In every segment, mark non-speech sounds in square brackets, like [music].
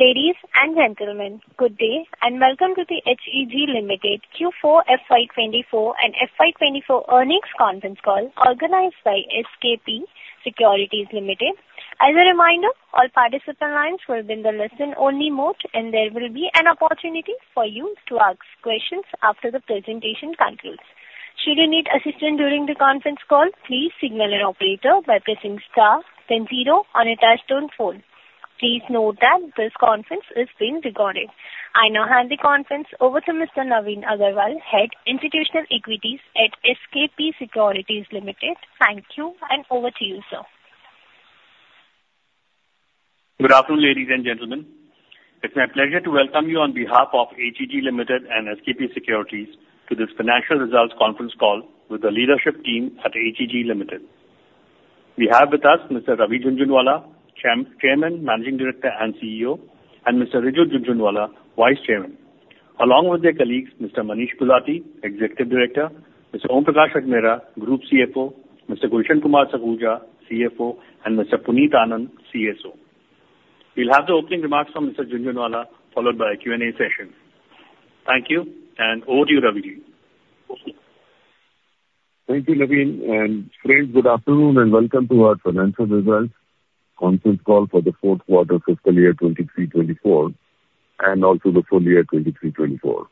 Ladies and gentlemen, good day, and welcome to the HEG Limited Q4 FY 2024 and FY 2024 earnings conference call organized by SKP Securities Limited. As a reminder, all participant lines will be in the listen-only mode, and there will be an opportunity for you to ask questions after the presentation concludes. Should you need assistance during the conference call, please signal an operator by pressing star then zero on your touchtone phone. Please note that this conference is being recorded. I now hand the conference over to Mr. Navin Agarwal, Head, Institutional Equities at SKP Securities Limited. Thank you, and over to you, sir. Good afternoon, ladies and gentlemen. It's my pleasure to welcome you on behalf of HEG Limited and SKP Securities to this financial results conference call with the leadership team at HEG Limited. We have with us Mr. Ravi Jhunjhunwala, Chairman, Managing Director, and CEO, and Mr. Riju Jhunjhunwala, Vice Chairman, along with their colleagues, Mr. Manish Gulati, Executive Director, Mr. Om Prakash Ajmera, Group CFO, Mr. Gulshan Kumar Sakhuja, CFO, and Mr. Puneet Anand, CSO. We'll have the opening remarks from Mr. Ravi Jhunjhunwala, followed by a Q&A session. Thank you, and over to you, Ravi Jhunjhunwala. Thank you, Navin Agarwal, and friends, good afternoon, and welcome to our financial results conference call for the Q4 fiscal year 2023-2024, and also the full year 2023-2024.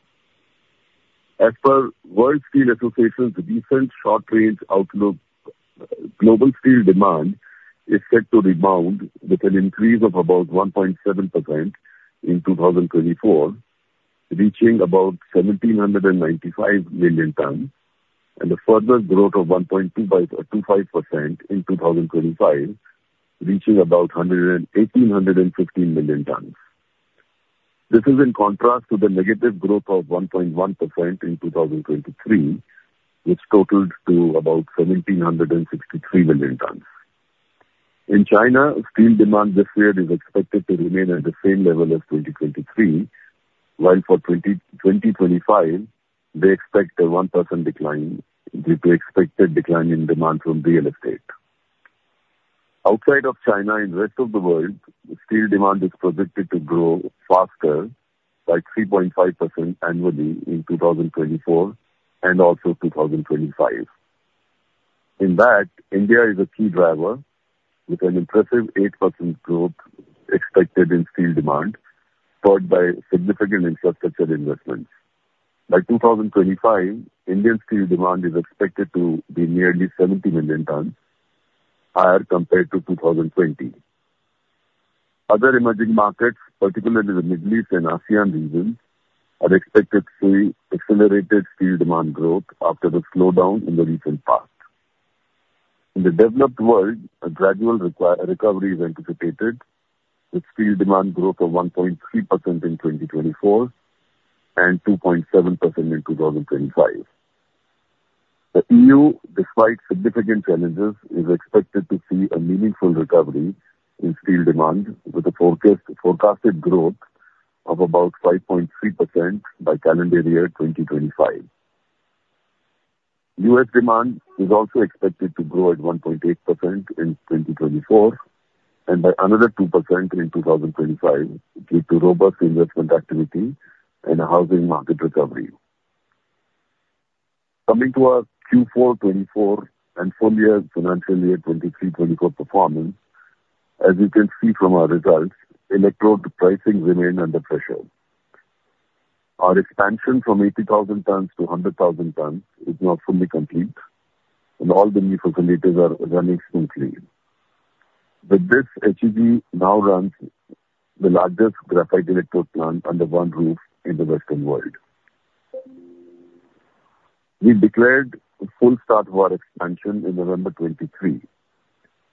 As per World Steel Association's recent short-range outlook, global steel demand is set to rebound with an increase of about 1.7% in 2024, reaching about 1,795 million tons and a further growth of 1.2%-2.5% in 2025, reaching about 1,815 million tons. This is in contrast to the negative growth of 1.1% in 2023, which totaled to about 1,763 million tons. In China, steel demand this year is expected to remain at the same level as 2023, while for 2025, they expect a 1% decline due to expected decline in demand from real estate. Outside of China and rest of the world, steel demand is projected to grow faster by 3.5% annually in 2024 and also 2025. In that, India is a key driver with an impressive 8% growth expected in steel demand, spurred by significant infrastructure investments. By 2025, Indian steel demand is expected to be nearly 70 million tons, higher compared to 2020. Other emerging markets, particularly the Middle East and ASEAN regions, are expected to see accelerated steel demand growth after the slowdown in the recent past. In the developed world, a gradual recovery is anticipated, with steel demand growth of 1.3% in 2024 and 2.7% in 2025. The E.U., despite significant challenges, is expected to see a meaningful recovery in steel demand, with a forecasted growth of about 5.3% by calendar year 2025. U.S. demand is also expected to grow at 1.8% in 2024 and by another 2% in 2025 due to robust investment activity and a housing market recovery. Coming to our Q4 2024 and full year financial year 2023-2024 performance, as you can see from our results, electrode pricing remained under pressure. Our expansion from 80,000 tons to 100,000 tons is now fully complete, and all the new facilities are running smoothly. With this, HEG now runs the largest graphite electrode plant under one roof in the Western world. We declared the full start of our expansion in November 2023.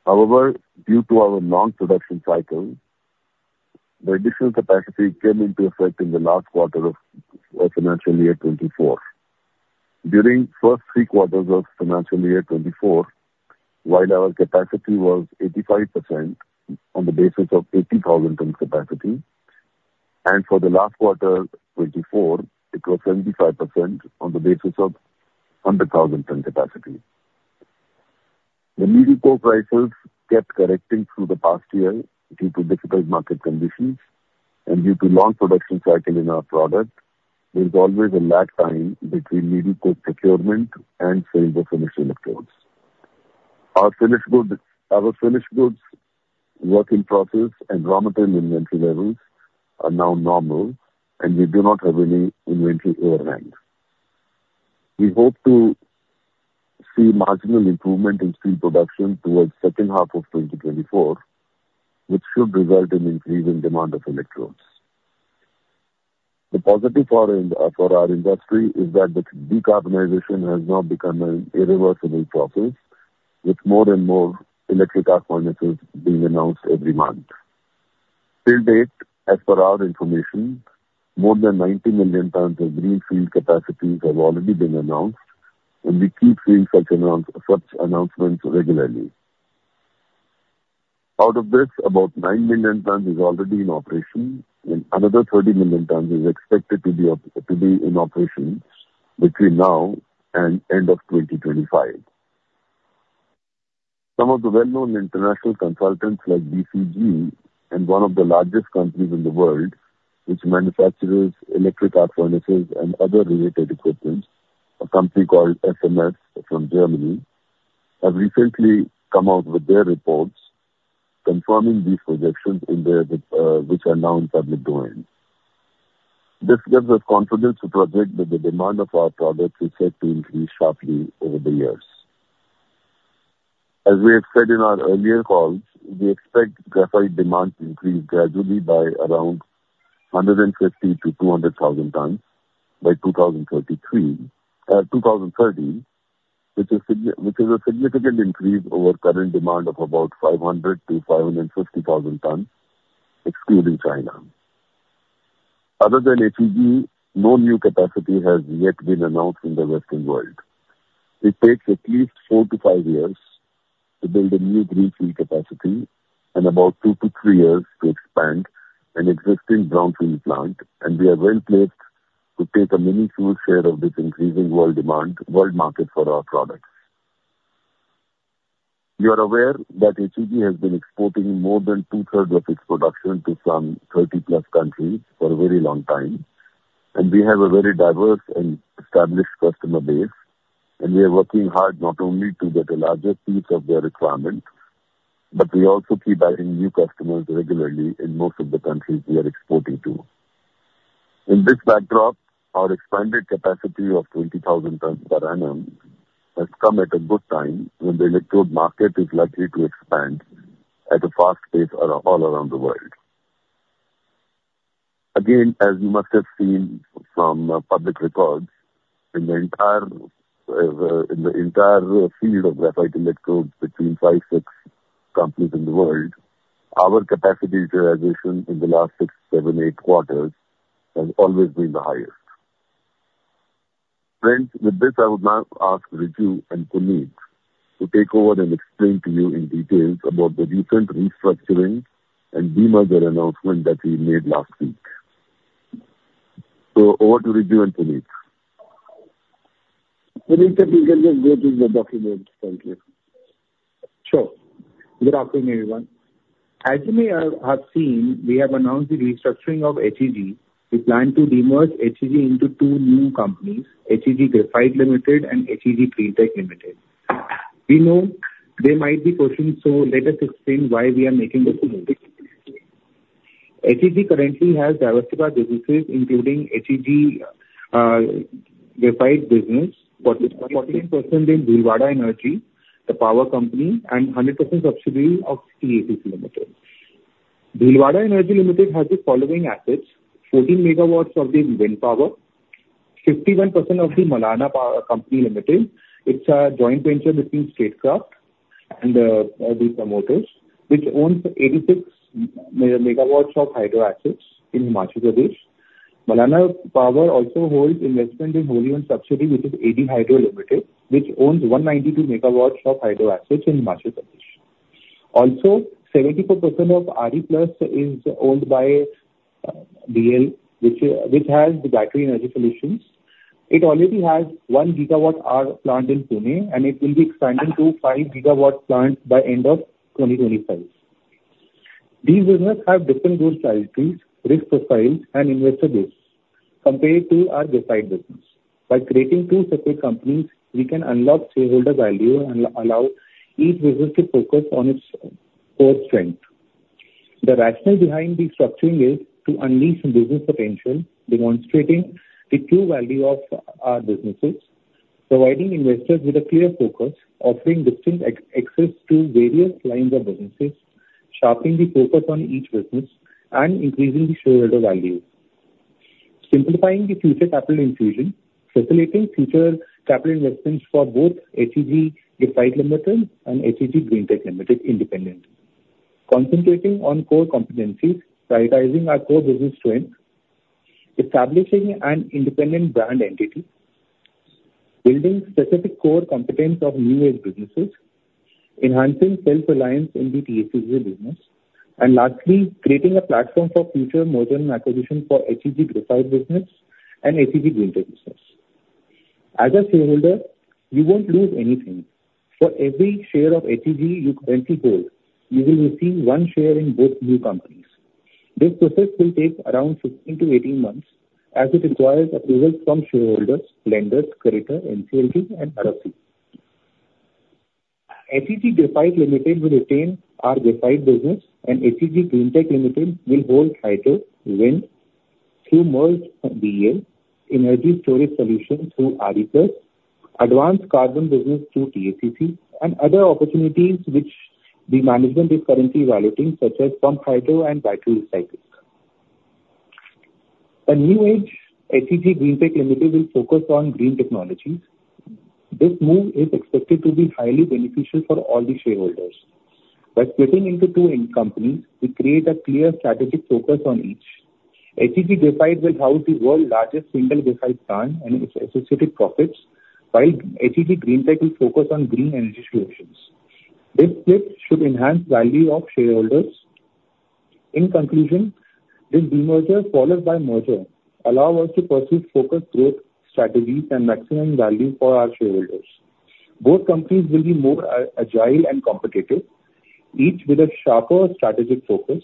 However, due to our long production cycle, the additional capacity came into effect in the last quarter of our financial year 2024. During first three quarters of financial year 2024, while our capacity was 85% on the basis of 80,000 ton capacity, and for the last quarter, 2024, it was 75% on the basis of 100,000 ton capacity. The needle coke prices kept correcting through the past year due to difficult market conditions and due to long production cycle in our product, there's always a lag time between needle coke procurement and sale of finished electrodes. Our finished goods, our finished goods work in process and raw material inventory levels are now normal, and we do not have any inventory overhang. We hope to see marginal improvement in steel production towards second half of 2024, which should result in increase in demand of electrodes. The positive for in, for our industry is that the decarbonization has now become an irreversible process, with more and more electric car manufacturers being announced every month. Till date, as per our information, more than 90 million tons of greenfield capacities have already been announced, and we keep seeing such such announcements regularly. Out of this, about nine million tons is already in operation, and another 30 million tons is expected to be in operation between now and end of 2025. Some of the well-known international consultants, like BCG, and one of the largest companies in the world, which manufactures electric arc furnaces and other related equipment, a company called SMS from Germany, have recently come out with their reports confirming these projections in their, which are now in public domain. This gives us confidence to project that the demand of our products is set to increase sharply over the years. As we have said in our earlier calls, we expect graphite demand to increase gradually by around 150-200 thousand tons by 2033, 2030, which is a significant increase over current demand of about 500-550 thousand tons, excluding China. Other than HEG, no new capacity has yet been announced in the Western world. It takes at least four-five years to build a new greenfield capacity and about two to three years to expand an existing brownfield plant, and we are well placed to take a minuscule share of this increasing world demand, world market for our products. You are aware that HEG has been exporting more than 2/3 of its production to some 30+countries for a very long time, and we have a very diverse and established customer base, and we are working hard not only to get a larger piece of their requirements, but we also keep adding new customers regularly in most of the countries we are exporting to. In this backdrop, our expanded capacity of 20,000 tons per annum has come at a good time, when the electrode market is likely to expand at a fast pace around all around the world. Again, as you must have seen from the public records, in the entire field of graphite electrodes, between five and six companies in the world, our capacity utilization in the last six-eight quarters has always been the highest. Friends, with this, I would now ask Riju Jhunjhunwala and Puneet Anand to take over and explain to you in details about the recent restructuring and demerger announcement that we made last week. So over to Riju Jhunjhunwala and Puneet Anand. Puneet Anand, you can just go through the document. Thank you. Sure. Good afternoon, everyone. As you may have seen, we have announced the restructuring of HEG. We plan to demerge HEG into two new companies, HEG Graphite Limited and HEG Greentech Limited. We know there might be questions, so let us explain why we are making this move. HEG currently has diversified businesses, including HEG graphite business, 44% in Bhilwara Energy, a power company, and 100% subsidiary of TACC Limited. Bhilwara Energy Limited has the following assets: 14 MW of the wind power, 51% of the Malana Power Company Limited. It's a joint venture between Statkraft and the promoters, which owns 86 MW of hydro assets in Himachal Pradesh. Malana Power also holds investment in wholly owned subsidiary, which is AD Hydro Limited, which owns 192 MW of hydro assets in Himachal Pradesh. Also, 74% of RePlus is owned by BEL, which has the battery energy solutions. It already has one GWh plant in Pune, and it will be expanding to 5 GWh plants by end of 2025. These businesses have different growth priorities, risk profile, and investor base compared to our graphite business. By creating two separate companies, we can unlock shareholder value and allow each business to focus on its core strength. The rationale behind this structuring is to unleash the business potential, demonstrating the true value of our businesses, providing investors with a clear focus, offering distinct access to various lines of businesses, sharpening the focus on each business and increasing the shareholder value. Simplifying the future capital infusion, facilitating future capital investments for both HEG Graphite Limited and HEG Greentech Limited independently. Concentrating on core competencies, prioritizing our core business strength, establishing an independent brand entity, building specific core competence of new age businesses, enhancing self-reliance in the TACC business, and lastly, creating a platform for future merger and acquisition for HEG Graphite business and HEG Greentech business. As a shareholder, you won't lose anything. For every share of HEG you currently hold, you will receive one share in both new companies. This process will take around 16-18 months, as it requires approval from shareholders, lenders, creditor, NCLT, and others. HEG Graphite Limited will retain our graphite business, and HEG Greentech Limited will hold hydro, wind, through merged BEL, energy storage solutions through RePlus, advanced carbon business through TACC, and other opportunities which the management is currently evaluating, such as pump hydro and battery recycling. A new age, HEG Greentech Limited, will focus on green technologies. This move is expected to be highly beneficial for all the shareholders. By splitting into two end companies, we create a clear strategic focus on each. HEG Graphite will house the world's largest single graphite plant and its associated profits, while HEG Greentech will focus on green energy solutions. This split should enhance value of shareholders... In conclusion, this demerger followed by merger allow us to pursue focused growth strategies and maximum value for our shareholders. Both companies will be more, agile and competitive, each with a sharper strategic focus.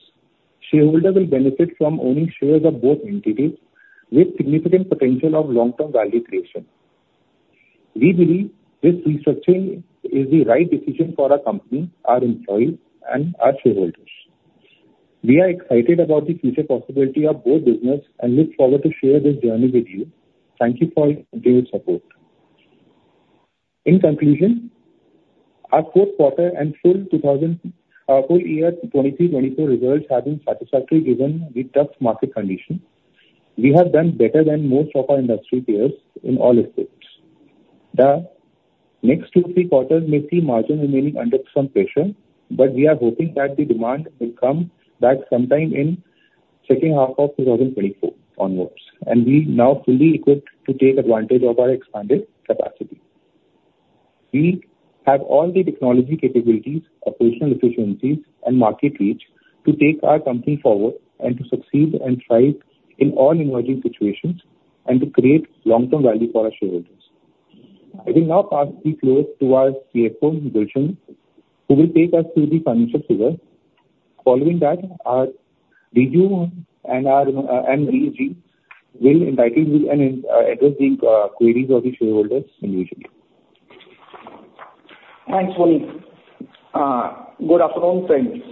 Shareholders will benefit from owning shares of both entities with significant potential of long-term value creation. We believe this restructuring is the right decision for our company, our employees, and our shareholders. We are excited about the future possibility of both business and look forward to share this journey with you. Thank you for your continued support. In conclusion, our Q4 and full year 2023-2024 results have been satisfactory, given the tough market conditions. We have done better than most of our industry peers in all aspects. The next two-three quarters may see margin remaining under some pressure, but we are hoping that the demand will come back sometime in second half of 2024 onwards, and we're now fully equipped to take advantage of our expanded capacity. We have all the technology capabilities, operational efficiencies, and market reach to take our company forward and to succeed and thrive in all emerging situations and to create long-term value for our shareholders. I will now pass the floor to our CFO, Gulshan Kumar Sakhuja, who will take us through the financial figures. Following that, our CEO and MD will invite you and address the queries of the shareholders individually. Thanks, Puneet Anand. Good afternoon, friends.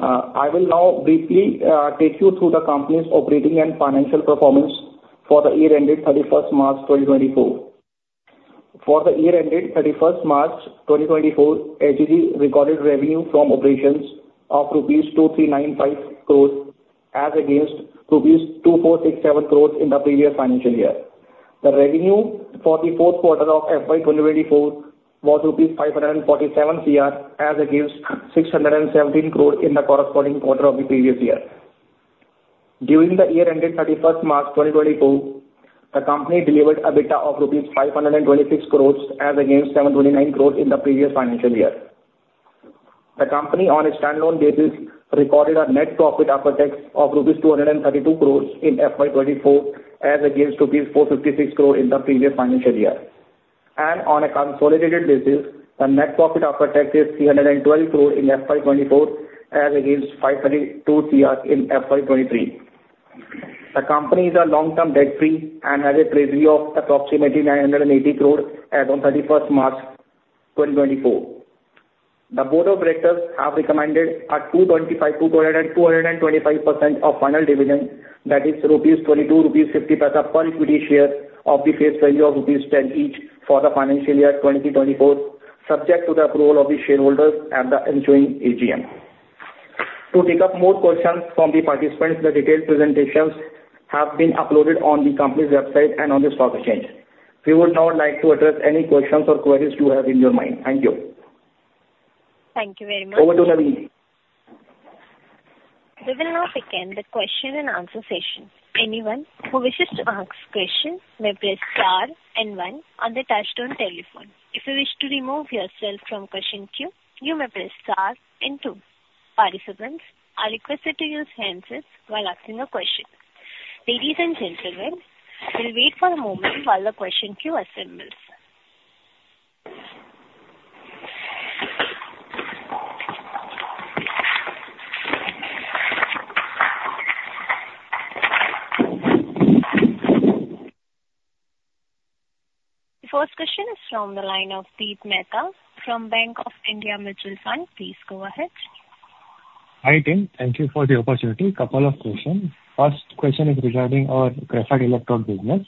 I will now briefly take you through the company's operating and financial performance for the year ended 31st March, 2024. For the year ended 31st March, 2024, HEG recorded revenue from operations of rupees 2,395 crores as against rupees 2,467 crores in the previous financial year. The revenue for the Q4 of FY 2024 was rupees 547 crore as against 617 crore in the corresponding quarter of the previous year. During the year ended 31st March, 2024, the company delivered an EBITDA of 526 crores rupees as against 729 crores in the previous financial year. The company, on a standalone basis, recorded a net profit after tax of rupees 232 crore in FY 2024, as against 456 crore in the previous financial year. On a consolidated basis, the net profit after tax is 312 crore in FY 2024, as against 532 crore in FY 2023. The company is long-term debt free and has a treasury of approximately 980 crore as on 31st March 2024. The board of directors have recommended a 225%-225% final dividend, that is, 22.50 rupees per equity share of the face value of rupees 10 each for the financial year 2024, subject to the approval of the shareholders at the ensuing AGM. To take up more questions from the participants, the detailed presentations have been uploaded on the company's website and on the stock exchange. We would now like to address any questions or queries you have in your mind. Thank you. Thank you very much. Over to Navin Agarwal. We will now begin the Q&A session. Anyone who wishes to ask questions may press star and one on the touchtone telephone. If you wish to remove yourself from question queue, you may press star and two. Participants are requested to use handsets while asking a question. Ladies and gentlemen, we'll wait for a moment while the question queue assembles. The first question is from the line of Deep Mehta from Bank of India Mutual Fund. Please go ahead. Hi, team. Thank you for the opportunity. Couple of questions. First question is regarding our graphite electrode business.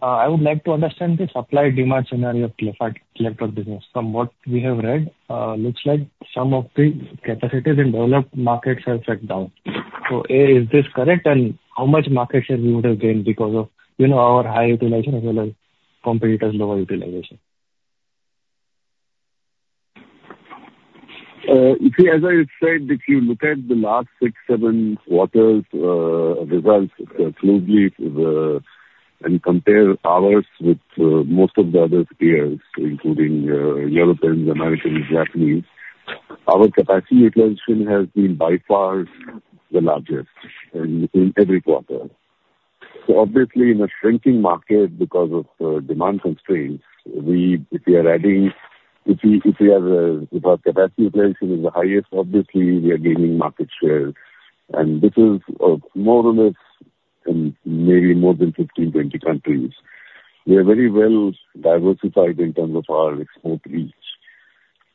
I would like to understand the supply/demand scenario of graphite electrode business. From what we have read, looks like some of the capacities in developed markets have shut down. So, A, is this correct? And how much market share we would have gained because of, you know, our high utilization as well as competitors' lower utilization? You see, as I said, if you look at the last six-seven quarters' results closely and compare ours with most of the other peers, including European, American, Japanese, our capacity utilization has been by far the largest in every quarter. So obviously, in a shrinking market, because of demand constraints, if our capacity utilization is the highest, obviously we are gaining market share, and this is more or less in maybe more than 15-20 countries. We are very well diversified in terms of our export reach.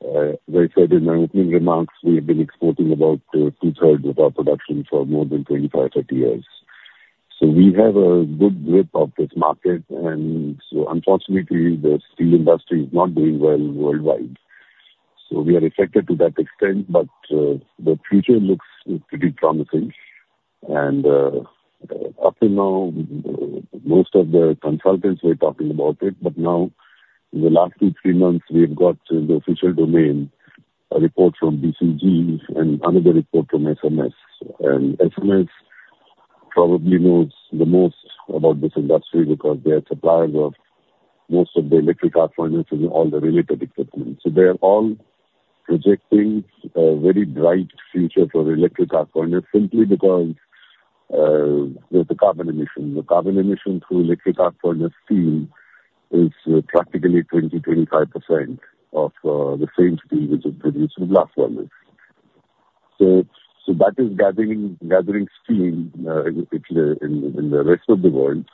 As I said in my opening remarks, we've been exporting about 2/3 of our production for more than 25-30 years. So we have a good grip of this market, and so unfortunately, the steel industry is not doing well worldwide, so we are affected to that extent. But the future looks pretty promising, and up to now, most of the consultants were talking about it, but now, in the last two-three months, we've got the official domain, a report from BCG and another report from SMS. And SMS- ... probably knows the most about this industry because they are suppliers of most of the electric arc furnace and all the related equipment. So they are all projecting a very bright future for electric arc furnace simply because, with the carbon emission. The carbon emission through electric arc furnace steel is practically 20%-25% of, the same steel which is produced in blast furnace. So that is gathering steam in the rest of the world.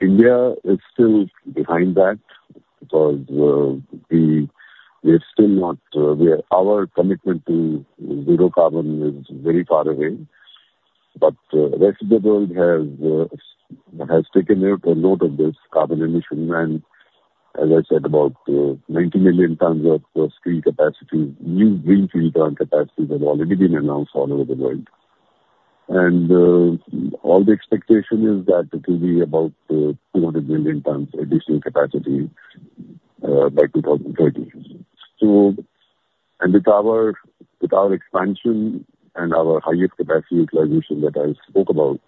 India is still behind that because, we are still not, our commitment to zero carbon is very far away. But, rest of the world has taken note of this carbon emission, and as I said, about 90 million tons of steel capacity, new green steel plant capacities have already been announced all over the world. All the expectation is that it will be about 200 million tons additional capacity by 2030. So, with our expansion and our highest capacity utilization that I spoke about,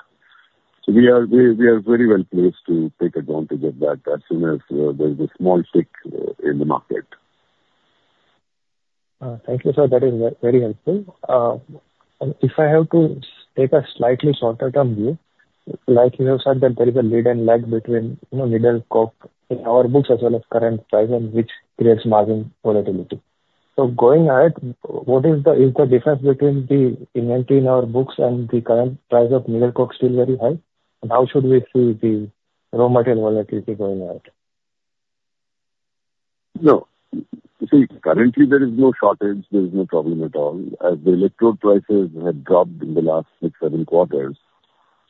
so we are very well placed to take advantage of that as soon as there's a small tick in the market. Thank you, sir. That is very helpful. If I have to take a slightly shorter-term view, like you have said, that there is a lead and lag between, you know, needle coke in our books as well as current price and which creates margin volatility. So going ahead, what is the, is the difference between the inventory in our books and the current price of needle coke still very high? And how should we see the raw material volatility going out? No. See, currently there is no shortage, there is no problem at all. As the electrode prices have dropped in the last six, seven quarters,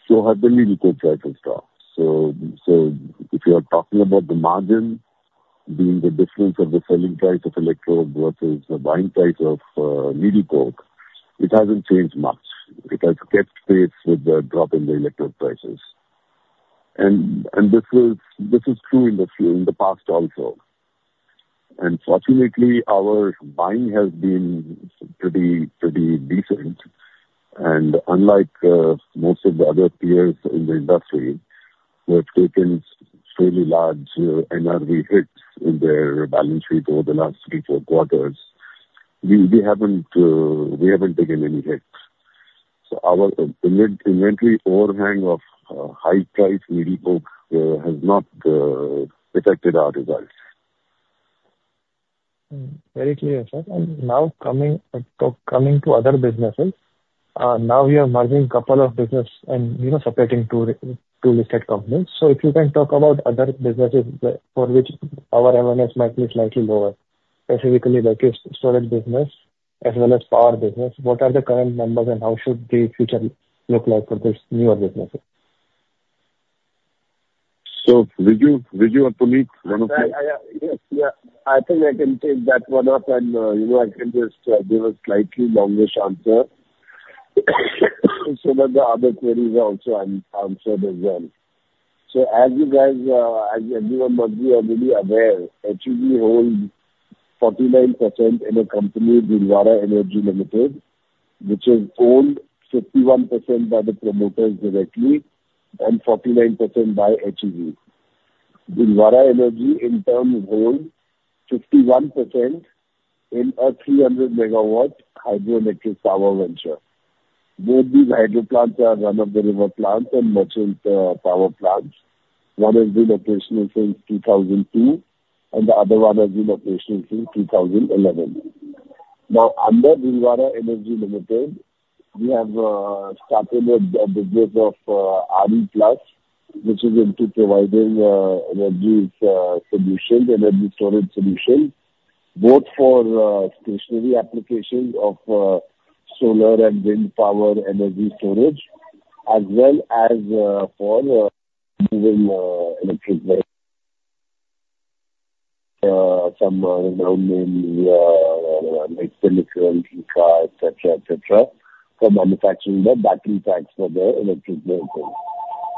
so have the needle coke prices dropped. So if you are talking about the margin being the difference of the selling price of electrode versus the buying price of needle coke, it hasn't changed much. It has kept pace with the drop in the electrode prices. And this is true in the past also. And fortunately, our buying has been pretty decent. And unlike most of the other peers in the industry, who have taken fairly large NRV hits in their balance sheet over the last three, four quarters, we haven't taken any hits. So our inventory overhang of high price needle coke has not affected our results. Hmm. Very clear, sir. Now coming to other businesses, now we are merging a couple of business and, you know, separating two listed companies. So if you can talk about other businesses for which our margins might be slightly lower, specifically like your storage business as well as power business. What are the current numbers and how should the future look like for this newer businesses? Riju Jhunjhunwala, Riju Jhunjhunwala or Puneet Anand, one of you? Yes, yeah. I think I can take that one up, and, you know, I can just, give a slightly longish answer. So that the other queries are also answered as well. So as you guys, as everyone must be already aware, HEG holds 49% in a company, Bhilwara Energy Limited, which is owned 51% by the promoters directly and 49% by HEG. Bhilwara Energy in turn holds 51% in a 300 MW hydroelectric power venture. Both these hydro plants are run-of-the-river plants and merchant power plants. One has been operational since 2002, and the other one has been operational since 2011. Now, under Bhilwara Energy Limited, we have started a business of RePlus, which is into providing energy solutions and energy storage solutions, both for stationary applications of solar and wind power energy storage, as well as for even some well-known like electric cars, et cetera, et cetera, for manufacturing the battery packs for the electric vehicles.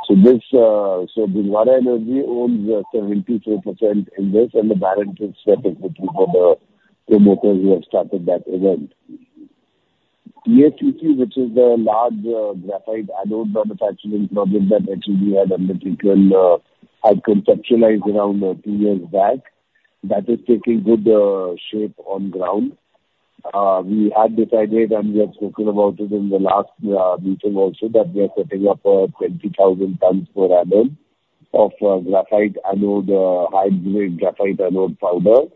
So this, so Bhilwara Energy owns 72% in this, and the balance is with the promoters who have started that venture. TACC, which is the large graphite anode manufacturing project that HEG had undertaken and conceptualized around two years back. That is taking good shape on ground. We had decided, and we have spoken about it in the last meeting also, that we are setting up 20,000 tons per annum of graphite anode, high-grade graphite anode powder,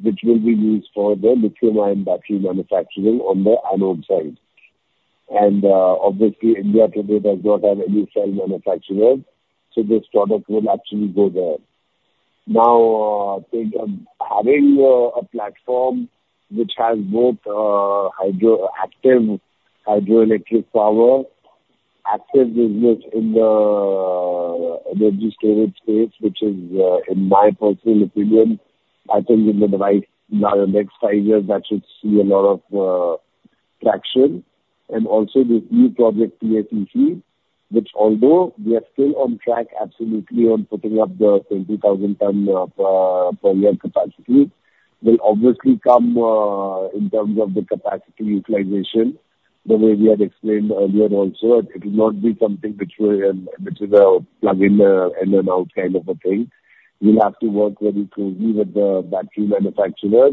which will be used for the lithium-ion battery manufacturing on the anode side. And, obviously, India today does not have any cell manufacturer, so this product will actually go there. Now, think of having a platform which has both hydro active, hydroelectric power, active business in the energy storage space, which is, in my personal opinion, I think in the right. Now, the next five years, that should see a lot of traction. And also this new project, TACC, which although we are still on track, absolutely, on putting up the 20,000 ton of per year capacity-... It will obviously come in terms of the capacity utilization, the way we had explained earlier also. It will not be something which is a plug-in, in and out kind of a thing. We'll have to work very closely with the battery manufacturers,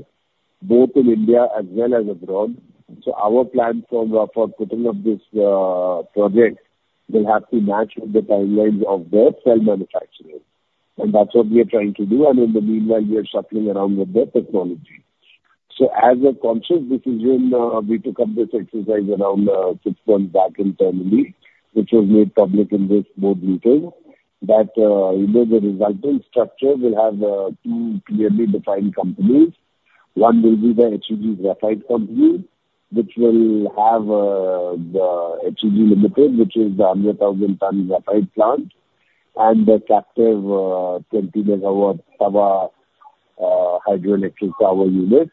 both in India as well as abroad. So our plan for putting up this project will have to match with the timelines of their cell manufacturing, and that's what we are trying to do, and in the meanwhile, we are shuffling around with the technology. So as a conscious decision, we took up this exercise around six months back internally, which was made public in this board meeting, that you know, the resulting structure will have two clearly defined companies. One will be the HEG Graphite company, which will have, the HEG Limited, which is the 100,000-ton graphite plant and the captive, 20 MWh, hydroelectric power unit,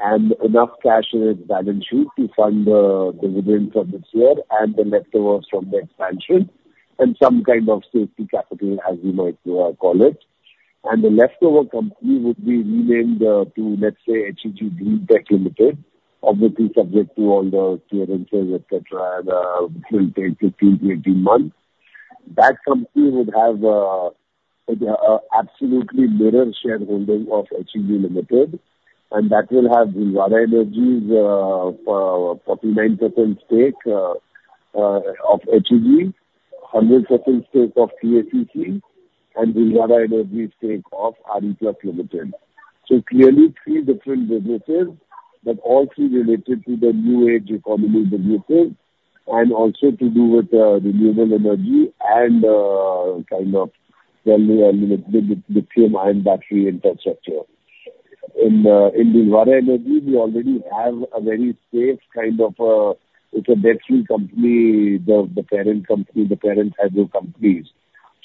and enough cash in its balance sheet to fund, the dividends of its year and the leftovers from the expansion, and some kind of safety capital, as you might, call it. The leftover company would be renamed, to, let's say, HEG Greentech Limited, obviously subject to all the clearances, et cetera, and, will take 15-18 months. That company would have, a absolutely mirror shareholding of HEG Limited, and that will have Bhilwara Energy's, 49% stake, of HEG, 100% stake of TACC, and Bhilwara Energy's stake of RePlus Engitech Private Limited. So clearly three different businesses, but all three related to the new age economy businesses and also to do with renewable energy and kind of then the lithium-ion battery infrastructure. In Bhilwara Energy, we already have a very safe kind of a, it's a debt-free company, the parent company, the parent group companies.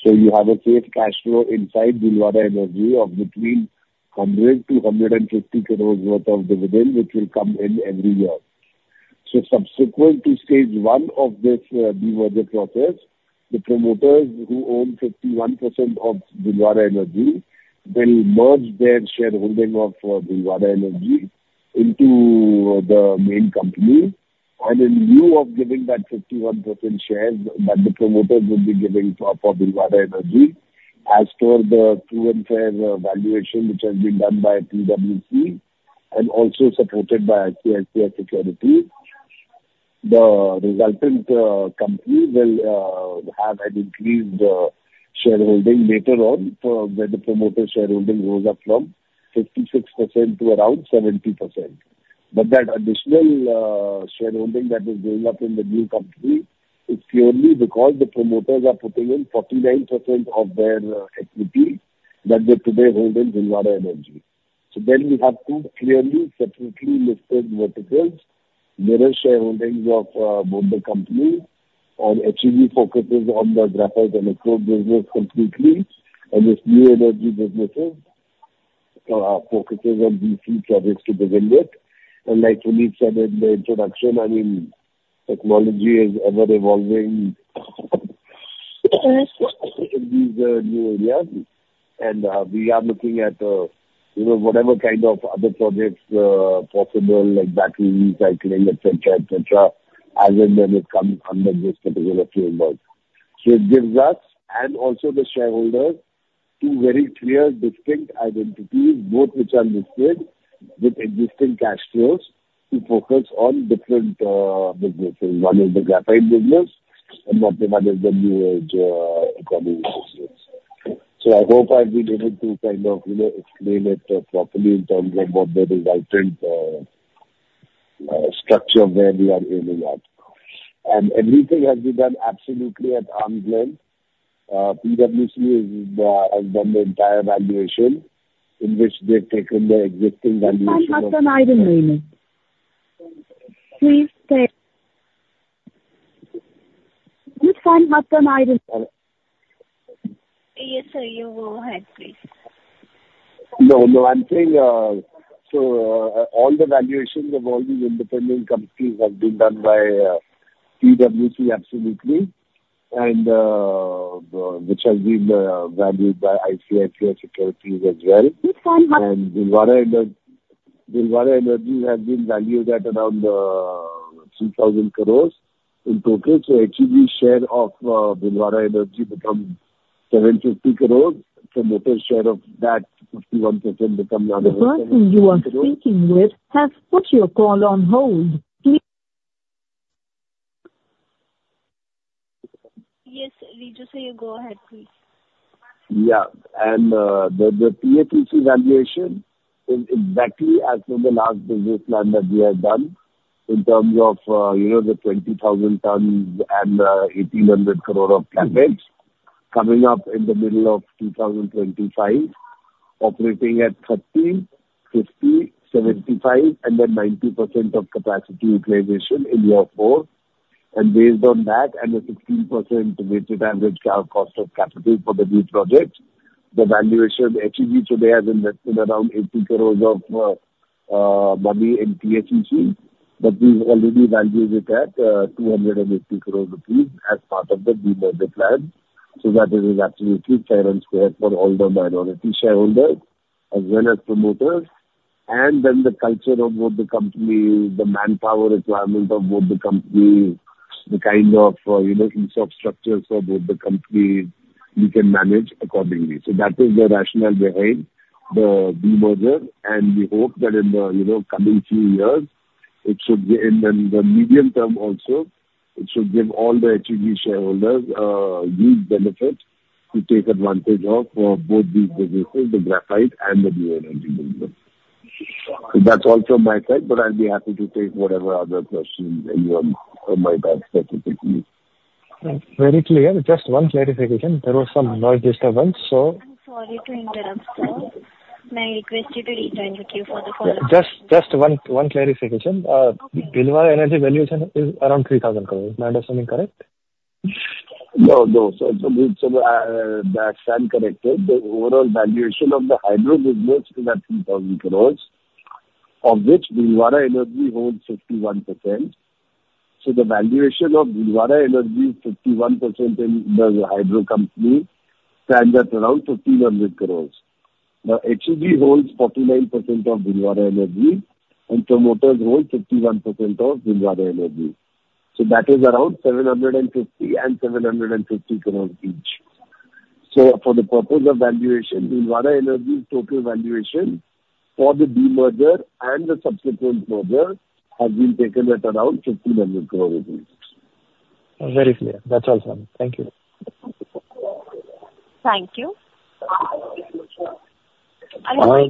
So you have a safe cash flow inside Bhilwara Energy of between 100-150 crores worth of dividend, which will come in every year. So subsequent to stage one of this demerger process, the promoters, who own 51% of Bhilwara Energy, will merge their shareholding of Bhilwara Energy into the main company. In lieu of giving that 51% shares that the promoters will be giving for, for Bhilwara Energy, as per the true and fair, valuation, which has been done by PwC and also supported by ICICI Securities, the resultant, company will, have an increased, shareholding later on, where the promoter shareholding goes up from 56% to around 70%. But that additional, shareholding that is going up in the new company is purely because the promoters are putting in 49% of their equity that they today hold in Bhilwara Energy. So then we have two clearly separately listed verticals, mirror shareholdings of, both the companies, and HEG focuses on the graphite electrode business completely, and this new energy businesses, focuses on these two projects to begin with. Like Puneet Anand said in the introduction, I mean, technology is ever evolving in these new areas. We are looking at, you know, whatever kind of other projects possible, like battery recycling, et cetera, et cetera, as and when it comes under this particular umbrella. So it gives us, and also the shareholders, two very clear, distinct identities, both which are listed with existing cash flows to focus on different businesses. One is the graphite business and one, one is the new age economy business. So I hope I've been able to kind of, you know, explain it properly in terms of what the resultant structure where we are aiming at. And everything has been done absolutely at arm's length. PwC is has done the entire valuation in which they've taken the existing valuation of-. [audio distortion] Yes, sir, you go ahead, please. No, no, I'm saying, so, all the valuations of all these independent companies have been done by PwC, absolutely, and which has been valued by ICICI Securities as well. [audio distortion] Bhilwara Energy, Bhilwara Energy has been valued at around 2,000 crore in total. So HEG share of Bhilwara Energy becomes 750 crore. Promoter share of that 51% become around- The person you are speaking with has put your call on hold. Please- Yes, Riju Jhunjhunwala sir, go ahead, please. Yeah. And, the, the TACC valuation is exactly as per the last business plan that we have done in terms of, you know, the 20,000 tons and, 1,800 crore of CapEx coming up in the middle of 2025, operating at 30%, 50%, 75%, and then 90% of capacity utilization in year four. And based on that and the 16% weighted average cost of capital for the new project, the valuation, HEG today has invested around 80 crores of, money in TACC, but we've already valued it at, 280 crore rupees as part of the demerger plan, so that it is actually fair and square for all the minority shareholders as well as promoters. And then the culture of both the companies, the manpower requirement of both the companies, the kind of, you know, infrastructure for both the companies, we can manage accordingly. So that is the rationale behind the demerger, and we hope that in the, you know, coming few years, it should be and then the medium term also, it should give all the HEG shareholders huge benefit to take advantage of both these businesses, the graphite and the Bhilwara Energy business. So that's all from my side, but I'll be happy to take whatever other questions anyone on my side specifically. Very clear. Just one clarification. There was some noise disturbance, so- I'm sorry to interrupt, sir. May I request you to rejoin the queue for the follow-up. Just one clarification. Okay. Bhilwara Energy valuation is around INR 3,000 crore. Am I understanding correct? No. So, that stands corrected. The overall valuation of the hydro business is at 3,000 crore, of which Bhilwara Energy holds 51%. So the valuation of Bhilwara Energy, 51% in the hydro company, stands at around 1,500 crore. Now, HEG holds 49% of Bhilwara Energy, and promoters hold 51% of Bhilwara Energy, so that is around 750 crore and 750 crore each. So for the purpose of valuation, Bhilwara Energy's total valuation for the de-merger and the subsequent merger has been taken at around 1,500 crore rupees. Very clear. That's all, sir. Thank you. Thank you. Ravi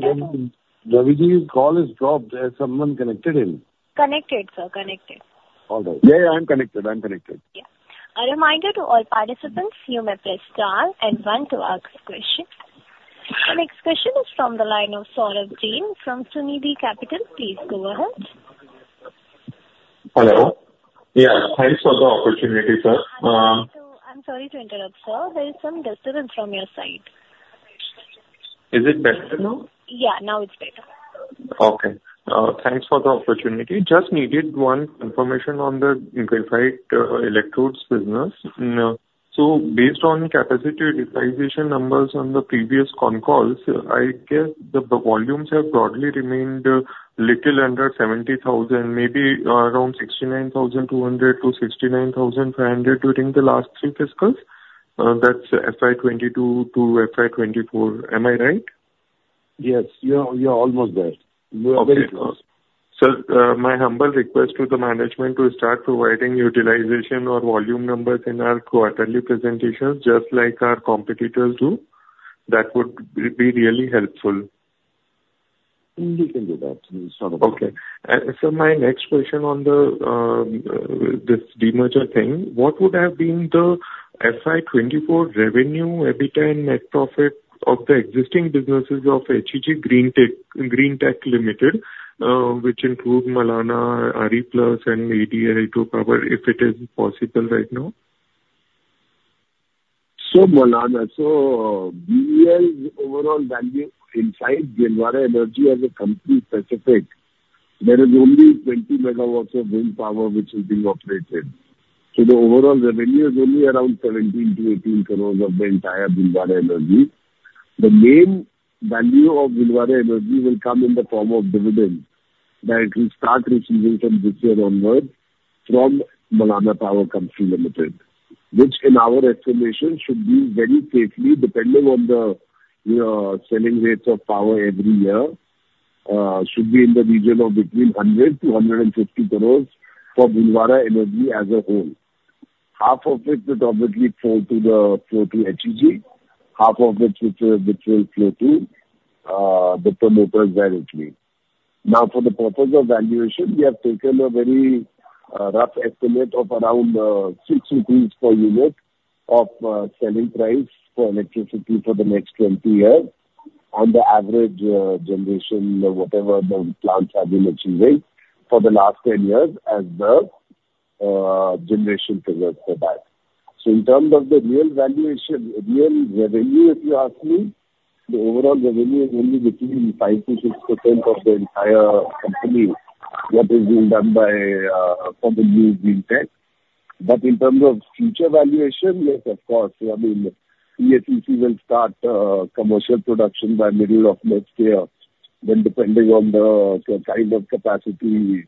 Jhunjhunwala call is dropped. Is someone connected in? Connected, sir, connected. All right. Yeah, yeah, I'm connected. I'm connected. Yeah. A reminder to all participants, you may press star and one to ask a question. The next question is from the line of Saurabh Jain from Sunidhi Securities. Please go ahead. Hello. Yeah, thanks for the opportunity, sir. I'm sorry to interrupt, sir. There is some disturbance from your side. Is it better now? Yeah, now it's better. Okay. Thanks for the opportunity. Just needed one information on the graphite electrodes business. So based on capacity utilization numbers on the previous con calls, I guess the volumes have broadly remained little under 70,000, maybe around 69,200-69,500 during the last three fiscals. That's FY 2022-FY 2024. Am I right? Yes. You are, you are almost there. You are very close. Okay. Sir, my humble request to the management to start providing utilization or volume numbers in our quarterly presentations, just like our competitors do. That would be really helpful. We can do that. We'll start over. Okay. So my next question on this demerger thing. What would have been the FY 2024 revenue, EBITDA and net profit of the existing businesses of HEG Greentech Limited, which include Malana, RePlus, and AD Hydro Power, if it is possible right now? So Malana. So BEL's overall value inside Bhilwara Energy as a company specific, there is only 20 MW of wind power which is being operated. So the overall revenue is only around 17-18 crore of the entire Bhilwara Energy. The main value of Bhilwara Energy will come in the form of dividends, that it will start receiving from this year onward from Malana Power Company Limited, which in our estimation should be very safely, depending on the selling rates of power every year, should be in the region of between 100 crore- 150 crore for Bhilwara Energy as a whole. Half of it would obviously flow to the, flow to HEG, half of it which will, which will flow to the promoters directly. Now, for the purpose of valuation, we have taken a very rough estimate of around 6 rupees per unit of selling price for electricity for the next 20 years on the average generation, whatever the plants have been achieving for the last 10 years as the generation triggers for that. So in terms of the real valuation, real revenue, if you ask me, the overall revenue is only between 5%-6% of the entire company that is being done by from the Greentech. But in terms of future valuation, yes, of course, I mean, TACC will start commercial production by middle of next year, when depending on the kind of capacity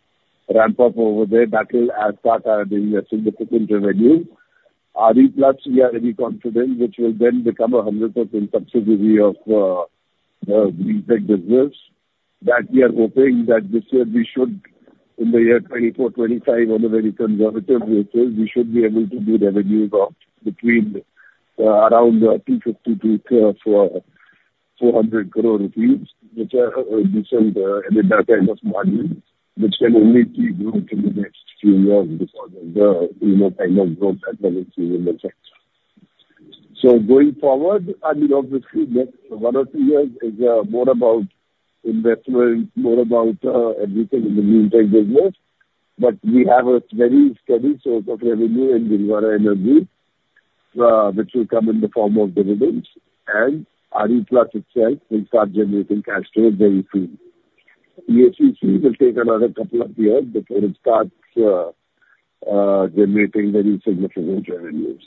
ramp up over there, that will as part are being assumed within revenue. RePlus, we are very confident, which will then become a 100% subsidiary of the Greentech business, that we are hoping that this year we should, in the year 2024-2025, on a very conservative basis, we should be able to do revenues of between around 250 crore-400 crore rupees, which are a decent EBITDA kind of margin, which can only keep growing through the next few years because of the, you know, kind of growth that we are seeing in the sector. So going forward, I mean, obviously next one or two years is more about investment, more about everything in the Greentech business, but we have a very steady source of revenue in Bhilwara Energy, which will come in the form of dividends, and RePlus itself will start generating cash flow very soon. ESS will take another couple of years before it starts generating very significant revenues.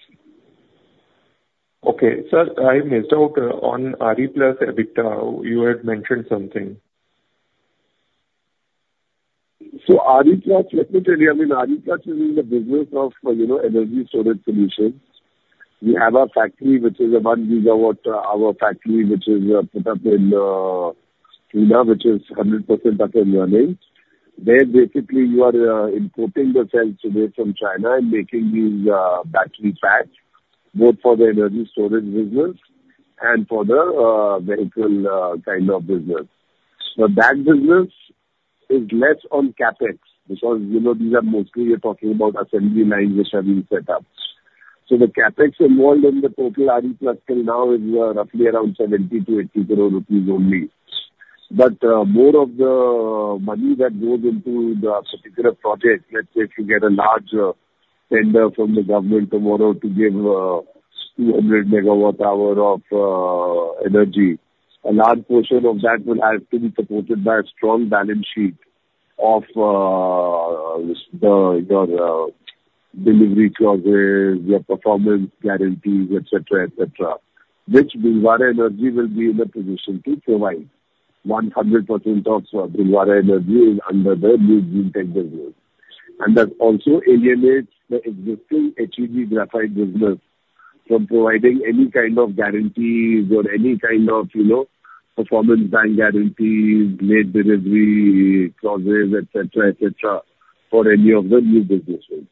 Okay. Sir, I missed out on RePlus EBITDA. You had mentioned something. So RePlus, let me tell you, I mean, RePlus is in the business of, you know, energy storage solutions. We have a factory which is a 1 GWh, our factory which is put up in Pune, which is 100% up and running. Where basically you are importing the cells today from China and making these battery packs, both for the energy storage business and for the vehicle kind of business. So that business is less on CapEx, because, you know, these are mostly you're talking about assembly lines which have been set up. So the CapEx involved in the total RePlus till now is roughly around INR 70 crore-INR 80 crore only. But more of the money that goes into the particular project, let's say, if you get a large tender from the government tomorrow to give 200 MWh of energy, a large portion of that will have to be supported by a strong balance sheet of the, your delivery clauses, your performance guarantees, et cetera, et cetera, which Bhilwara Energy will be in a position to provide. 100% of Bhilwara Energy is under the new Greentech group. And that also alienates the existing HEG Graphite business from providing any kind of guarantees or any kind of, you know, performance bank guarantees, late delivery clauses, et cetera, et cetera, for any of the new businesses.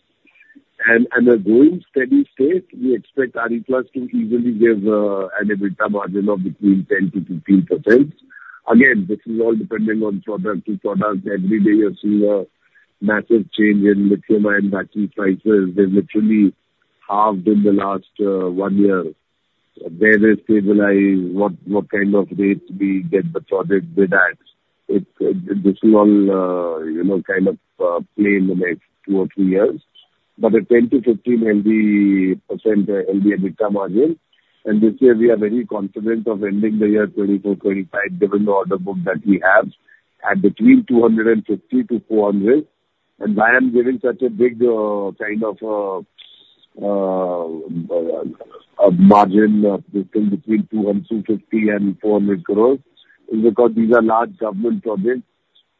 And, and a growing steady state, we expect RePlus to easily give an EBITDA margin of between 10%-15%. Again, this is all dependent on product to product. Every day you see a massive change in lithium-ion battery prices. They literally halved in the last one year. Where they stabilize, what kind of rates we get the project bid at, this will all you know kind of play in the next two or three years. But a 10%-15% will be EBITDA margin, and this year we are very confident of ending the year 2024, 2025, given the order book that we have, at between 250 crores-400 crores. And I am giving such a big kind of margin of between 250 crores and 400 crores, is because these are large government projects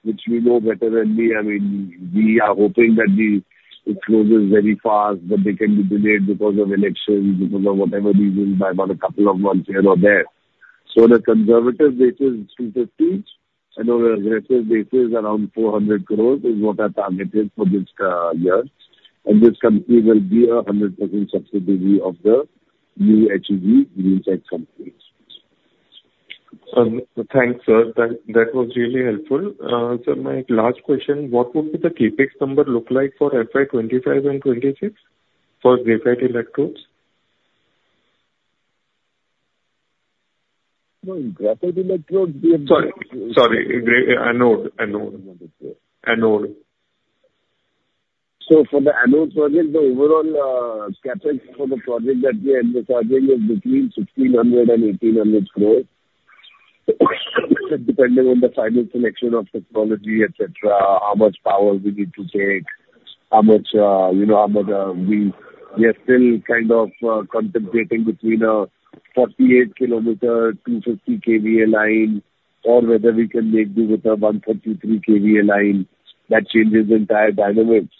which we know better than the... I mean, we are hoping that the, it closes very fast, but they can be delayed because of elections, because of whatever reason, by about a couple of months here or there. So on a conservative basis, 250 crores, and on an aggressive basis, around 400 crores, is what our target is for this year. And this company will be 100% subsidiary of the new HEG Greentech company. Thanks, sir. That, that was really helpful. Sir, my last question: What would be the CapEx number look like for FY 2025 and 2026 for graphite electrodes? No, graphite electrodes- Sorry, anode. So for the anode project, the overall, CapEx for the project that we are proposing is between 1,600 crores and 1,800 crores. Depending on the final selection of technology, et cetera, how much power we need to take, how much, you know, how much, we are still kind of contemplating between a 48 km, 250 KVA line, or whether we can make do with a 133 KVA line. That changes the entire dynamics.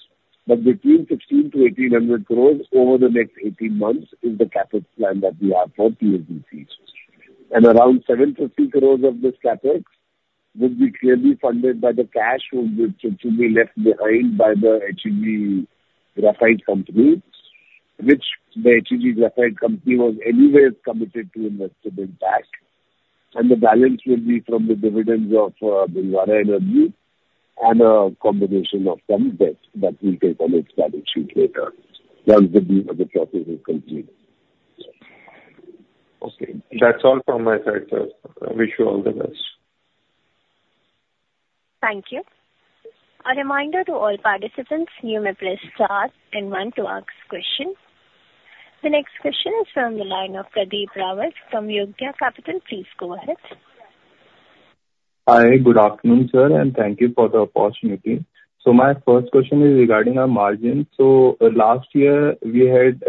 But between 1,600 crores- 1,800 crores over the next 18 months is the CapEx plan that we have for two years. And around 750 crores of this CapEx would be clearly funded by the cash flows, which will be left behind by the HEG Graphite Company, which the HEG Graphite Company was anyways committed to investing it back. The balance will be from the dividends of Bhilwara Energy and a combination of some debt that we take on its balance sheet later, once the deal of the project is complete. Okay. That's all from my side, sir. I wish you all the best. Thank you. A reminder to all participants, you may press star then one to ask questions. The next question is from the line of Pradeep Rawat from Yogya Capital. Please go ahead. Hi, good afternoon, sir, and thank you for the opportunity. My first question is regarding our margin. Last year we had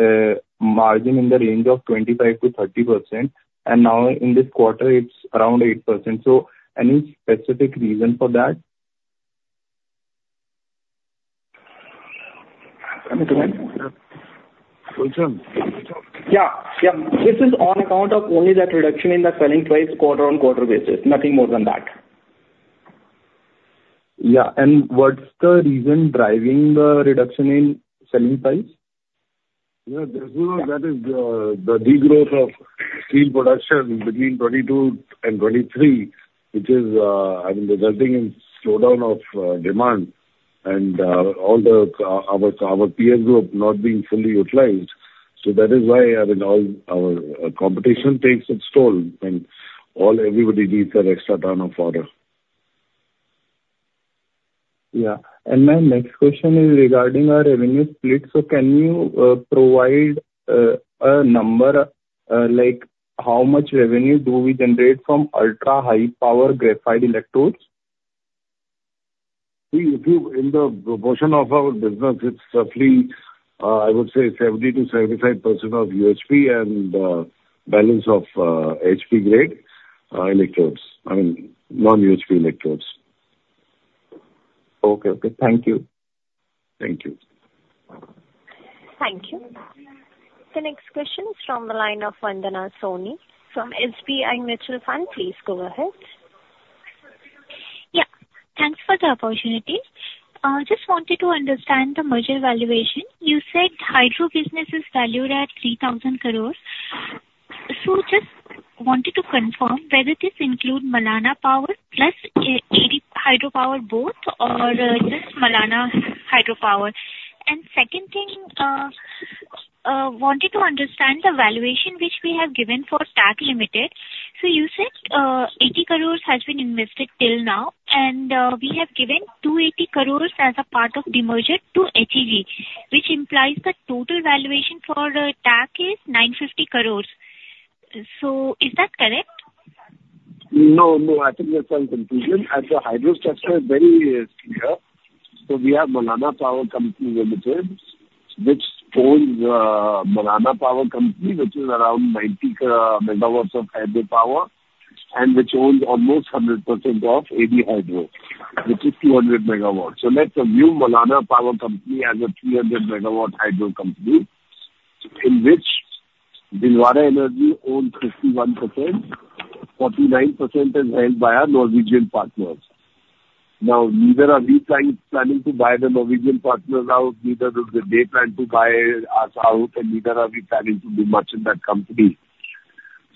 margin in the range of 25%-30%, and now in this quarter it's around 8%. Any specific reason for that? Yeah. This is on account of only that reduction in the selling price quarter-on-quarter basis, nothing more than that. Yeah. And what's the reason driving the reduction in selling price? Yeah, there's no. That is the degrowth of steel production between 2022 and 2023, which is, I mean, resulting in slowdown of demand and all our peer group not being fully utilized. So that is why, I mean, all our competition takes its toll, and all everybody needs an extra ton of order.... Yeah. My next question is regarding our revenue split. Can you provide a number, like how much revenue do we generate from Ultra High Power graphite electrodes? We, if you, in the proportion of our business, it's roughly, I would say 70%-75% of UHP and, balance of, HP grade, electrodes. I mean, non-UHP electrodes. Okay. Thank you. Thank you. Thank you. The next question is from the line of Vandana Soni, from SBI Mutual Fund. Please go ahead. Yeah, thanks for the opportunity. Just wanted to understand the merger valuation. You said hydro business is valued at 3,000 crore. So just wanted to confirm whether this include Malana Power plus AD Hydro Power both, or just Malana Hydro Power? And second thing, wanted to understand the valuation which we have given for TACC Limited. So you said, eighty crores has been invested till now, and we have given two eighty crores as a part of demerger to HEG, which implies the total valuation for TACC is 950 crores. So is that correct? No, I think there's some confusion. As the hydro structure is very clear, so we have Malana Power Company Limited, which owns Malana Power Company, which is around 90 MW of hydro power, and which owns almost 100% of AD Hydro, which is 200 MW. So let's review Malana Power Company as a 300 MW hydro company, in which Bhilwara Energy owns 51%, 49% is held by our Norwegian partners. Now, neither are we planning to buy the Norwegian partners out, neither would they plan to buy us out, and neither are we planning to demerge in that company.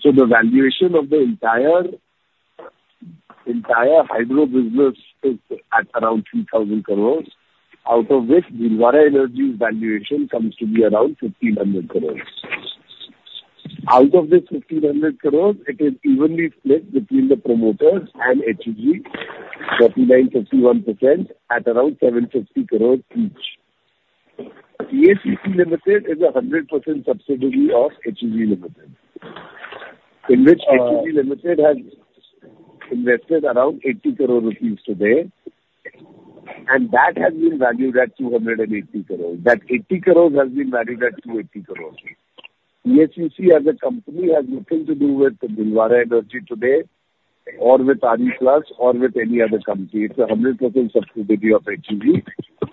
So the valuation of the entire hydro business is at around 3,000 crore, out of which Bhilwara Energy's valuation comes to be around 1,500 crore. Out of this 1,500 crore, it is evenly split between the promoters and HEG, 49%-51% at around 750 crore each. TACC Limited is a 100% subsidiary of HEG Limited, in which HEG Limited has invested around 80 crore rupees today, and that has been valued at 280 crore. That 80 crore has been valued at 280 crore. TACC as a company, has nothing to do with Bhilwara Energy today or with RePlus or with any other company. It's a 100% subsidiary of HEG,